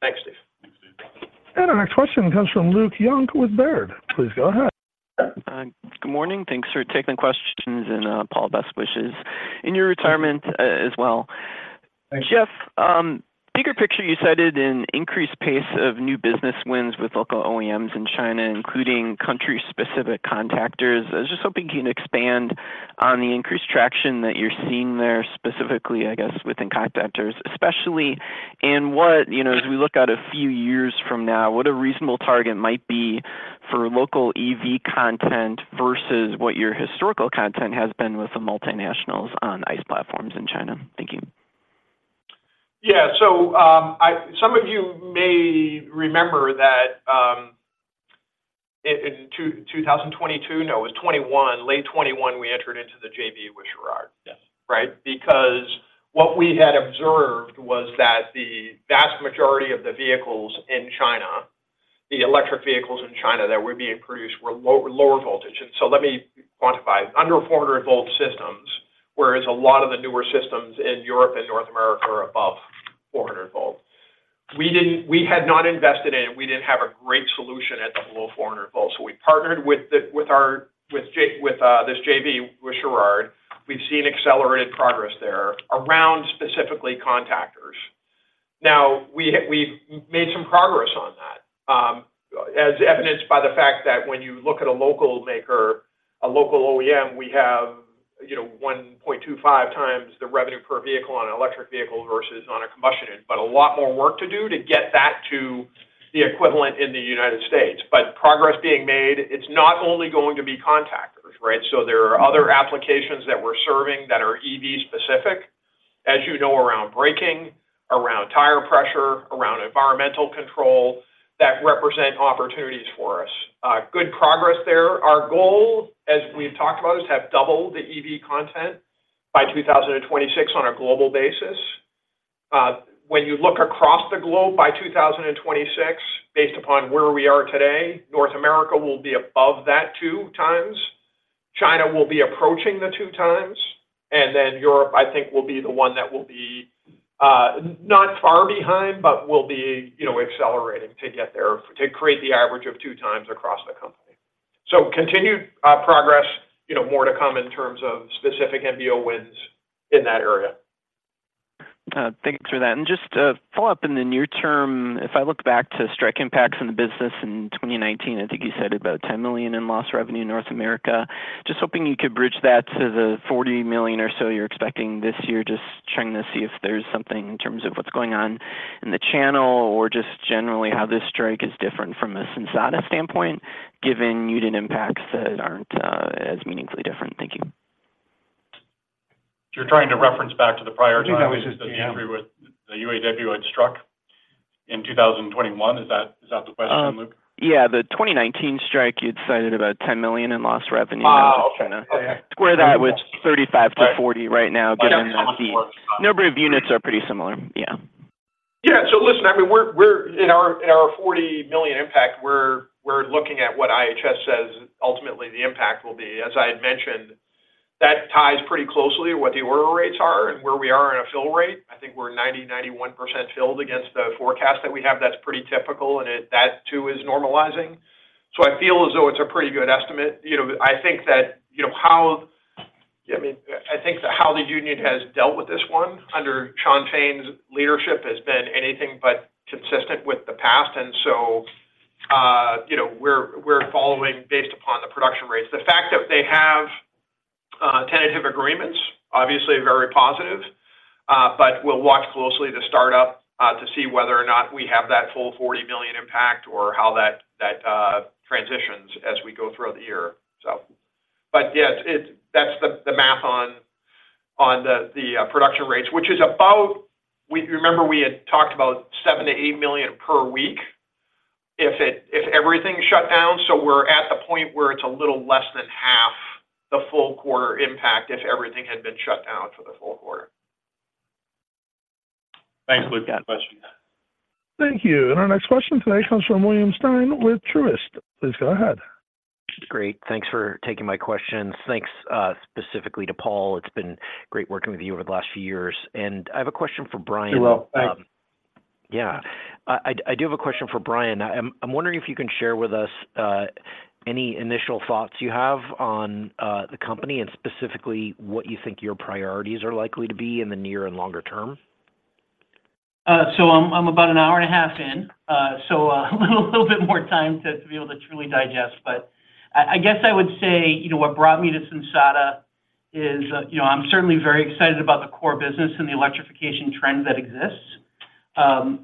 Thanks, Steve. Thanks, Steve. Our next question comes from Luke Junk with Baird. Please go ahead. Good morning. Thanks for taking the questions, and, Paul, best wishes in your retirement, as well. Thank you. Jeff, bigger picture, you cited an increased pace of new business wins with local OEMs in China, including country-specific contactors. I was just hoping you can expand on the increased traction that you're seeing there, specifically, I guess, within contactors, especially in what, you know, as we look out a few years from now, what a reasonable target might be for local EV content versus what your historical content has been with the multinationals on ICE platforms in China. Thank you. Yeah. Some of you may remember that, in 2022, no, it was 2021. Late 2021, we entered into the JV with Churod. Yes. Right? Because what we had observed was that the vast majority of the vehicles in China, the electric vehicles in China that were being produced, were lower voltage. Let me quantify. Under 400-volt systems, whereas a lot of the newer systems in Europe and North America are above 400-volt. We had not invested in, we didn't have a great solution at the below 400-volt, so we partnered with our JV with Churod. We've seen accelerated progress there around specifically contactors. Now, we've made some progress on that, as evidenced by the fact that when you look at a local maker, a local OEM, we have, you know, 1.25x the revenue per vehicle on an electric vehicle versus on a combustion engine, but a lot more work to do to get that to the equivalent in the United States. But progress being made, it's not only going to be contactors, right? So there are other applications that we're serving that are EV specific, as you know, around braking, around tire pressure, around environmental control, that represent opportunities for us. Good progress there. Our goal, as we've talked about, is to have double the EV content by 2026 on a global basis. When you look across the globe by 2026, based upon where we are today, North America will be above that two times. China will be approaching the two times, and then Europe, I think, will be the one that will be not far behind, but will be, you know, accelerating to get there, to create the average of two times across the company. So continued progress, you know, more to come in terms of specific NBO wins in that area. Thanks for that. Just to follow up in the near term, if I look back to strike impacts in the business in 2019, I think you said about $10 million in lost revenue in North America. Just hoping you could bridge that to the $40 million or so you're expecting this year. Just trying to see if there's something in terms of what's going on in the channel or just generally how this strike is different from a Sensata standpoint, given you did impacts that aren't as meaningfully different. Thank you. You're trying to reference back to the prior time The UAW had struck in 2021? Is that, is that the question, Luke? Yeah, the 2019 strike, you'd cited about $10 million in lost revenue I'm just trying to square that with 35-40 right now, given that the number of units are pretty similar. Yeah. Yeah. Listen, I mean, we're in our $40 million impact, we're looking at what IHS says ultimately the impact will be. As I had mentioned, that ties pretty closely with what the order rates are and where we are in a fill rate. I think we're 90-91% filled against the forecast that we have. That's pretty typical, and that too is normalizing so I feel as though it's a pretty good estimate. You know, I think that, you know, how I mean, I think that how the union has dealt with this one under Shawn Fain's leadership has been anything but consistent with the past and so, you know, we're following based upon the production rates. The fact that they have tentative agreements, obviously very positive, but we'll watch closely the start up, to see whether or not we have that full $40 million impact or how that transitions as we go through the year, but yes, that's the math on the production rates, which is about. Remember, we had talked about $7-$8 million per week if everything shut down so we're at the point where it's a little less than half the full quarter impact if everything had been shut down for the full quarter. Thanks, Luke, for the question. Thank you. Our next question today comes from William Stein with Truist. Please go ahead. Great. Thanks for taking my questions. Thanks, specifically to Paul. It's been great working with you over the last few years. I have a question for Brian. You're welcome. Yeah. I do have a question for Brian. I'm wondering if you can share with us any initial thoughts you have on the company, and specifically, what you think your priorities are likely to be in the near and longer term. I'm about an hour and a half in, so a little bit more time to be able to truly digest but I guess I would say, you know, what brought me to Sensata is, you know, I'm certainly very excited about the core business and the electrification trend that exists.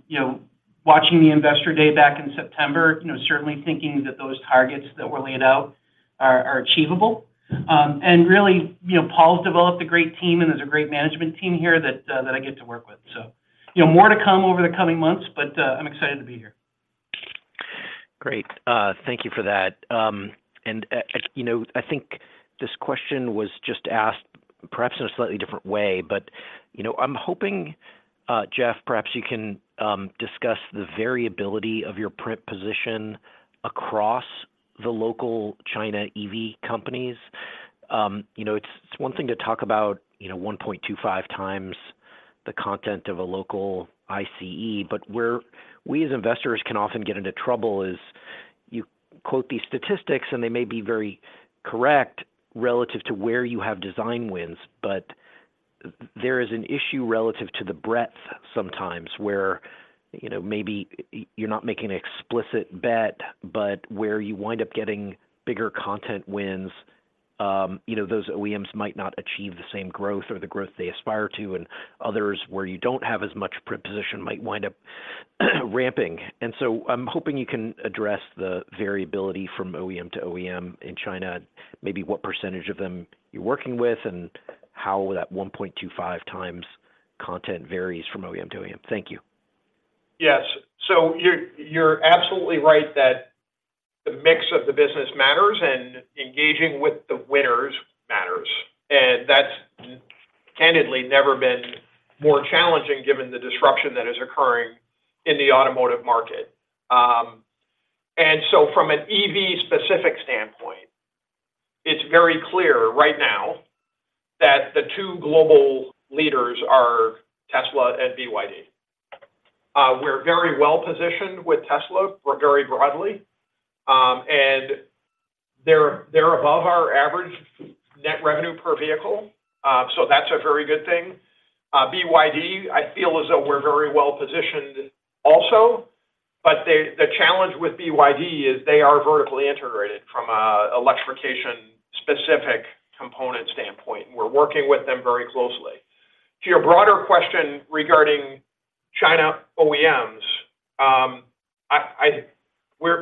You know, watching the Investor Day back in September, you know, certainly thinking that those targets that were laid out are achievable and really, you know, Paul's developed a great team, and there's a great management team here that I get to work with. So, you know, more to come over the coming months, but I'm excited to be here. Great. Thank you for that. You know, I think this question was just asked perhaps in a slightly different way, but, you know, I'm hoping, Jeff, perhaps you can discuss the variability of your print position across the local China EV companies. You know, it's one thing to talk about, you know, 1.25x the content of a local ICE, but where we as investors can often get into trouble is you quote these statistics, and they may be very correct relative to where you have design wins, but there is an issue relative to the breadth sometimes where, you know, maybe you're not making an explicit bet, but where you wind up getting bigger content wins, you know, those OEMs might not achieve the same growth or the growth they aspire to, and others, where you don't have as much positioning, might wind up ramping so I'm hoping you can address the variability from OEM to OEM in China, maybe what percentage of them you're working with and how that 1.25 times content varies from OEM to OEM. Thank you. Yes. You're absolutely right that the mix of the business matters, and engaging with the winners matters and that's candidly never been more challenging given the disruption that is occurring in the automotive market and so from an EV specific standpoint, it's very clear right now that the two global leaders are Tesla and BYD. We're very well-positioned with Tesla, we're very broadly and they're, they're above our average net revenue per vehicle, so that's a very good thing. BYD, I feel as though we're very well-positioned also, but the, the challenge with BYD is they are vertically integrated from a electrification-specific component standpoint. We're working with them very closely. To your broader question regarding China OEMs,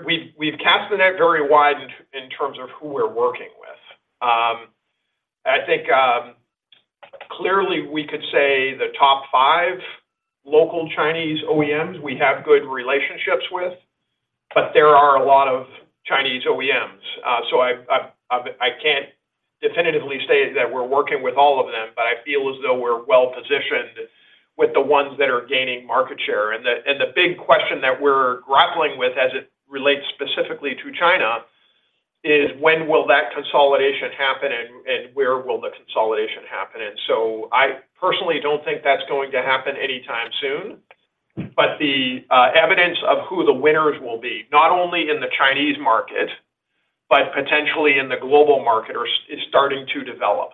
we've, we've cast the net very wide in, in terms of who we're working with. I think clearly we could say the top five local Chinese OEMs we have good relationships with, but there are a lot of Chinese OEMs so I can't definitively say that we're working with all of them, but I feel as though we're well-positioned with the ones that are gaining market share and the big question that we're grappling with as it relates specifically to China is, when will that consolidation happen, and where will the consolidation happen? And so I personally don't think that's going to happen anytime soon, but the evidence of who the winners will be, not only in the Chinese market, but potentially in the global market, is starting to develop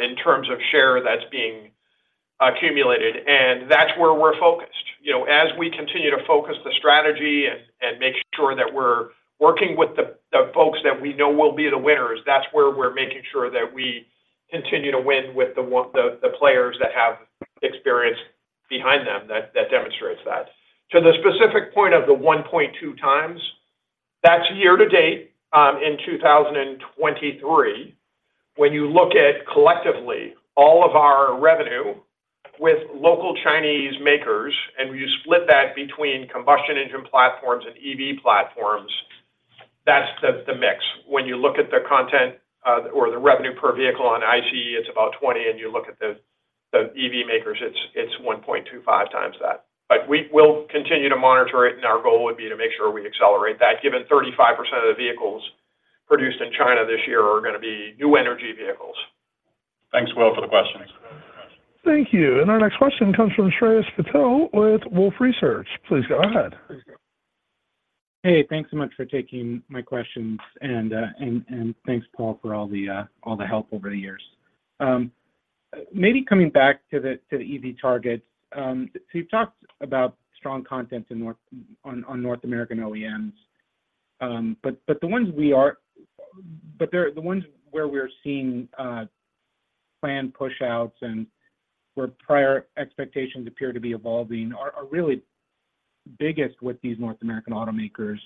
in terms of share that's being accumulated and that's where we're focused. As we continue to focus the strategy and make sure that we're working with the folks that we know will be the winners, that's where we're making sure that we continue to win with the one, the players that have experience behind them, that demonstrates that. To the specific point of the 1.2x, that's year to date in 2023. When you look at collectively all of our revenue with local Chinese makers, and you split that between combustion engine platforms and EV platforms, that's the mix. When you look at the content or the revenue per vehicle on ICE, it's about $20, and you look at the EV makers, it's 1.25x that. But we will continue to monitor it, and our goal would be to make sure we accelerate that, given 35% of the vehicles produced in China this year are gonna be new energy vehicles. Thanks, Will, for the question. Thank you. Our next question comes from Shreyas Patil with Wolfe Research. Please go ahead. Hey, thanks so much for taking my questions, and thanks, Paul, for all the help over the years. Maybe coming back to the EV targets you've talked about strong content in North American OEMs, but the ones where we're seeing plan pushouts and where prior expectations appear to be evolving are really biggest with these North American automakers.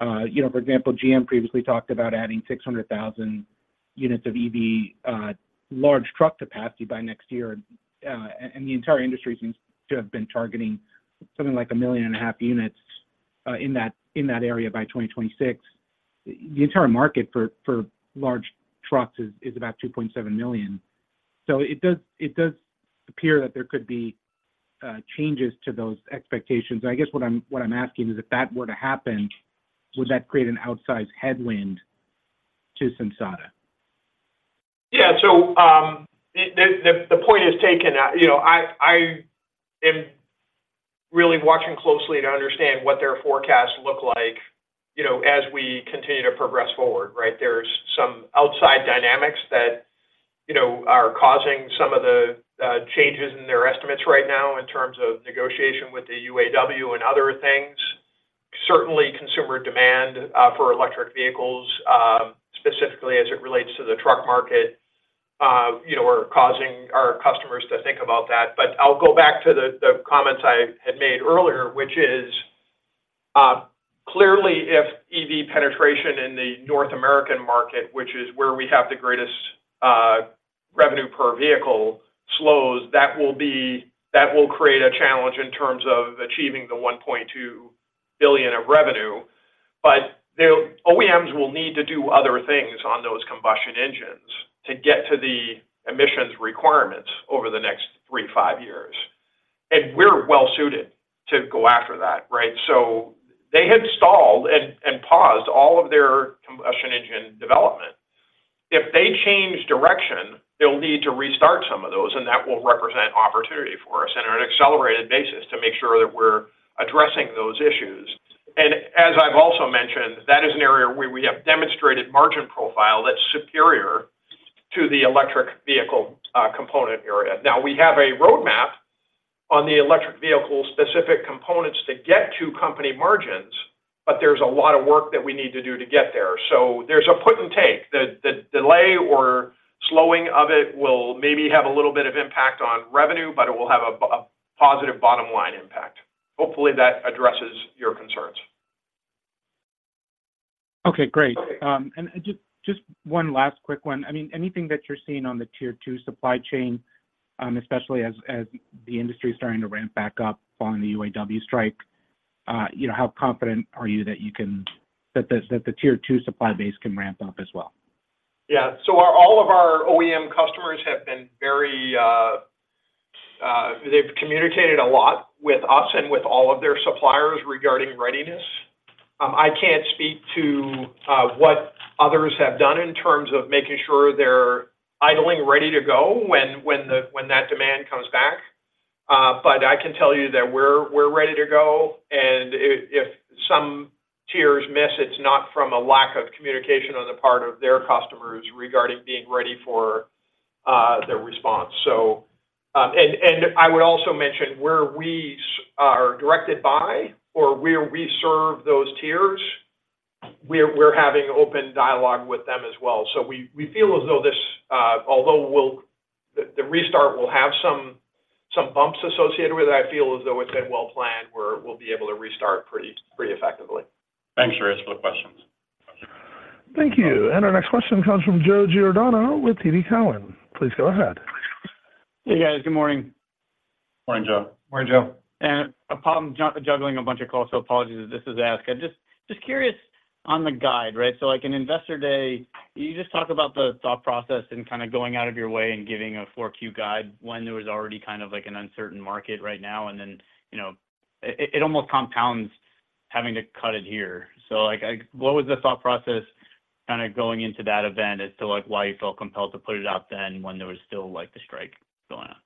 You know, for example, GM previously talked about adding 600,000 units of EV large truck capacity by next year, and the entire industry seems to have been targeting something like 1.5 million units in that area by 2026. The entire market for large trucks is about 2.7 million. So it does, it does appear that there could be changes to those expectations. I guess what I'm, what I'm asking is, if that were to happen, would that create an outsized headwind to Sensata? Yeah. The point is taken. You know, I am really watching closely to understand what their forecasts look like, you know, as we continue to progress forward, right? There's some outside dynamics that, you know, are causing some of the changes in their estimates right now in terms of negotiation with the UAW and other things. Certainly, consumer demand for electric vehicles, specifically as it relates to the truck market, you know, are causing our customers to think about that. But I'll go back to the comments I had made earlier, which is, clearly, if EV penetration in the North American market, which is where we have the greatest revenue per vehicle, slows, that will be, that will create a challenge in terms of achieving the $1.2 billion of revenue. The OEMs will need to do other things on those combustion engines to get to the emissions requirements over the next three to five years, and we're well-suited to go after that, right? They had stalled and paused all of their combustion engine development. If they change direction, they'll need to restart some of those, and that will represent opportunity for us and on an accelerated basis to make sure that we're addressing those issues. As I've also mentioned, that is an area where we have demonstrated margin profile that's superior to the electric vehicle component area. Now, we have a roadmap on the electric vehicle-specific components to get to company margins, but there's a lot of work that we need to do to get there so there's a give-and-take. The delay or slowing of it will maybe have a little bit of impact on revenue, but it will have a positive bottom-line impact. Hopefully, that addresses your concerns. Okay, great. Just, just one last quick one. I mean, anything that you're seeing on the Tier 2 supply chain, especially as the industry is starting to ramp back up following the UAW strike, you know, how confident are you that the Tier 2 supply base can ramp up as well? Yeah. All of our OEM customers have been very, they've communicated a lot with us and with all of their suppliers regarding readiness. I can't speak to what others have done in terms of making sure they're idling ready to go when that demand comes back. But I can tell you that we're ready to go, and if some tiers miss, it's not from a lack of communication on the part of their customers regarding being ready for their response, and I would also mention, where we are directed by or where we serve those tiers, we're having open dialogue with them as well. So we feel as though this, although the restart will have some bumps associated with it, I feel as though it's been well planned, where we'll be able to restart pretty effectively. Thanks, Shreyas, for the questions. Thank you. Our next question comes from Joe Giordano with TD Cowen. Please go ahead. Hey, guys. Good morning. Morning, Joe. Morning, Joe. I'm just juggling a bunch of calls, so apologies if this is asked. I'm just curious on the guide, right? So, like, in investor day, you just talked about the thought process and kinda going out of your way and giving a Q4 guide when there was already kind of, like, an uncertain market right now, and then, you know, it almost compounds having to cut it here. What was the thought process kinda going into that event as to, like, why you felt compelled to put it out then when there was still, like, the strike going on?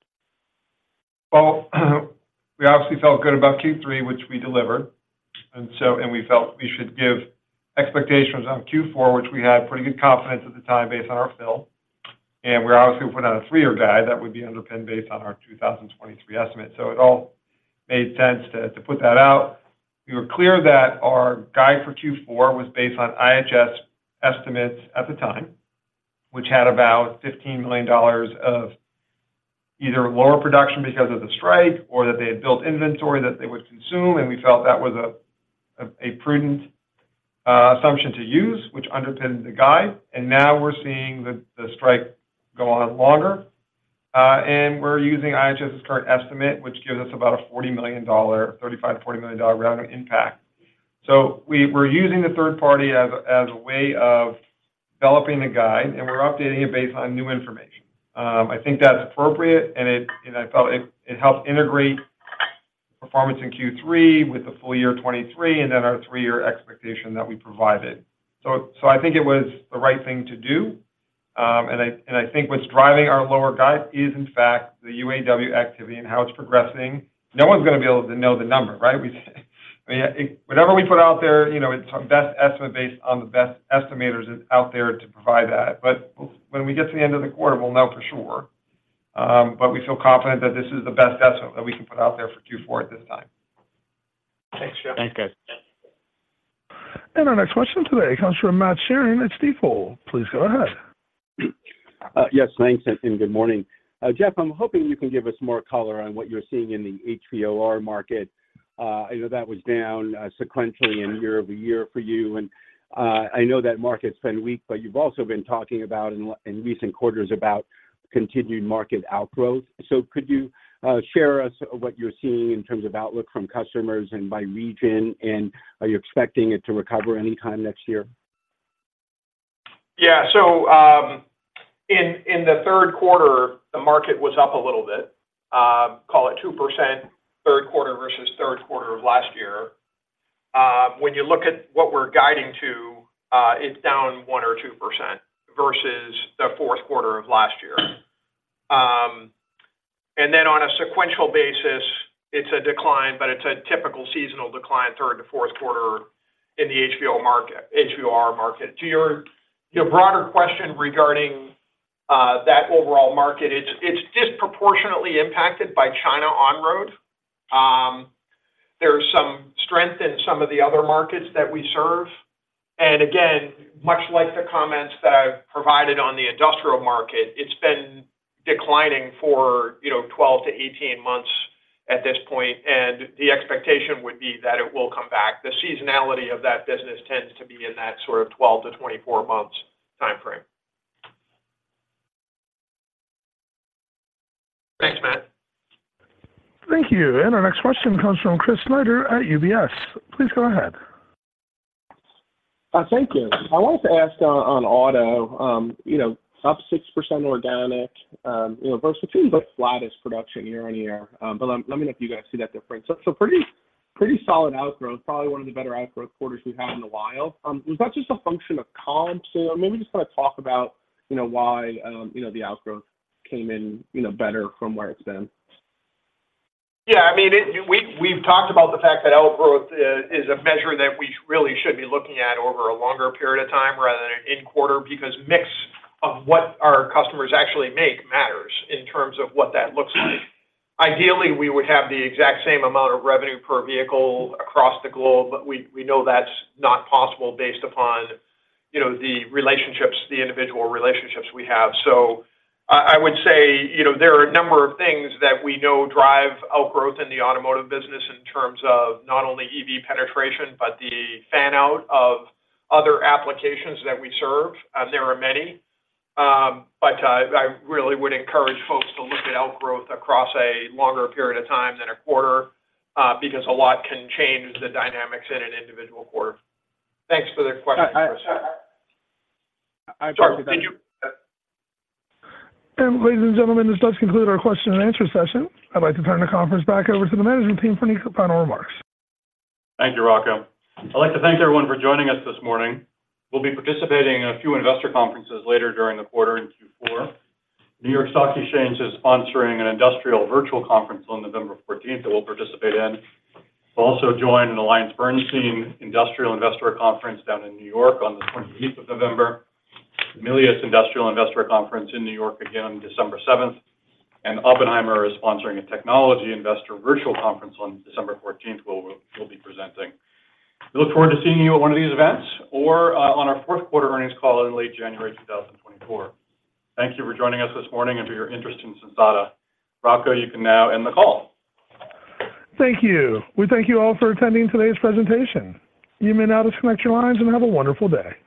Well, we obviously felt good about Q3, which we delivered, and so we felt we should give expectations on Q4, which we had pretty good confidence at the time based on our fill and we obviously put out a three-year guide that would be underpinned based on our 2023 estimates so it all made sense to put that out. We were clear that our guide for Q4 was based on IHS estimates at the time, which had about $15 million of either lower production because of the strike or that they had built inventory that they would consume, and we felt that was a prudent assumption to use, which underpinned the guide. Now we're seeing the strike go on longer, and we're using IHS's current estimate, which gives us about a $40 million, $35 million-$40 million revenue impact. We're using the third party as a way of developing the guide, and we're updating it based on new information. I think that's appropriate, and I felt it helps integrate performance in Q3 with the full year 2023, and then our three-year expectation that we provided so I think it was the right thing to do, and I think what's driving our lower guide is, in fact, the UAW activity and how it's progressing. No one's gonna be able to know the number, right? I mean, whatever we put out there, you know, it's our best estimate based on the best estimators out there to provide that. When we get to the end of the quarter, we'll know for sure. We feel confident that this is the best estimate that we can put out there for Q4 at this time. Thanks, Jeff. Thanks, guys. Our next question today comes from Matt Sheerin at Stifel. Please go ahead. Yes, thanks, and good morning. Jeff, I'm hoping you can give us more color on what you're seeing in the HVOR market. I know that was down sequentially and year over year for you, and I know that market's been weak, but you've also been talking about in recent quarters about continued market outgrowth, so could you share us what you're seeing in terms of outlook from customers and by region, and are you expecting it to recover any time next year? Yeah. In the Q3, the market was up a little bit, call it 2%, Q3 versus Q3 of last year. When you look at what we're guiding to, it's down 1% or 2% versus the Q4 of last year. Then on a sequential basis, it's a decline, but it's a typical seasonal decline, Q3 to Q4 in the HVOR market. To your broader question regarding that overall market, it's disproportionately impacted by China on-road. There's some strength in some of the other markets that we serve, and again, much like the comments that I've provided on the industrial market, it's been declining for, you know, 12-18 months at this point, and the expectation would be that it will come back. The seasonality of that business tends to be in that sort of 12-24 months time frame. Thanks, Matt. Thank you, and our next question comes from Chris Snyder at UBS. Please go ahead. Thank you. I wanted to ask on, on auto, you know, up 6% organic, you know, versus what seems like flattest production year-on-year. But let, let me know if you guys see that different. Pretty, pretty solid outgrowth, probably one of the better outgrowth quarters we've had in a while. Was that just a function of comp too? Or maybe just kinda talk about, you know, why, you know, the outgrowth came in, you know, better from where it's been? Yeah, I mean, it, we've talked about the fact that outgrowth is a measure that we really should be looking at over a longer period of time rather than an in-quarter, because mix of what our customers actually make matters in terms of what that looks like. Ideally, we would have the exact same amount of revenue per vehicle across the globe, but we know that's not possible based upon, you know, the relationships, the individual relationships we have so I would say, you know, there are a number of things that we know drive outgrowth in the automotive business in terms of not only EV penetration, but the fan-out of other applications that we serve, and there are many. But, I really would encourage folks to look at outgrowth across a longer period of time than a quarter, because a lot can change the dynamics in an individual quarter. Thanks for the question, Chris. Ladies and gentlemen, this does conclude our question and answer session. I'd like to turn the conference back over to the management team for any final remarks. Thank you, Rocco. I'd like to thank everyone for joining us this morning. We'll be participating in a few investor conferences later during the quarter in Q4. New York Stock Exchange is sponsoring an industrial virtual conference on 14 November that we'll participate in. We'll also join an AllianceBernstein Industrial Investor Conference down in New York on the 28 November. Familius Industrial Investor Conference in New York again on 7 December, and Oppenheimer is sponsoring a Technology Investor virtual conference on 14 December, we'll be presenting. We look forward to seeing you at one of these events or on our Q4 earnings call in late January 2024. Thank you for joining us this morning and for your interest in Sensata. Rocco, you can now end the call. Thank you. We thank you all for attending today's presentation. You may now disconnect your lines and have a wonderful day.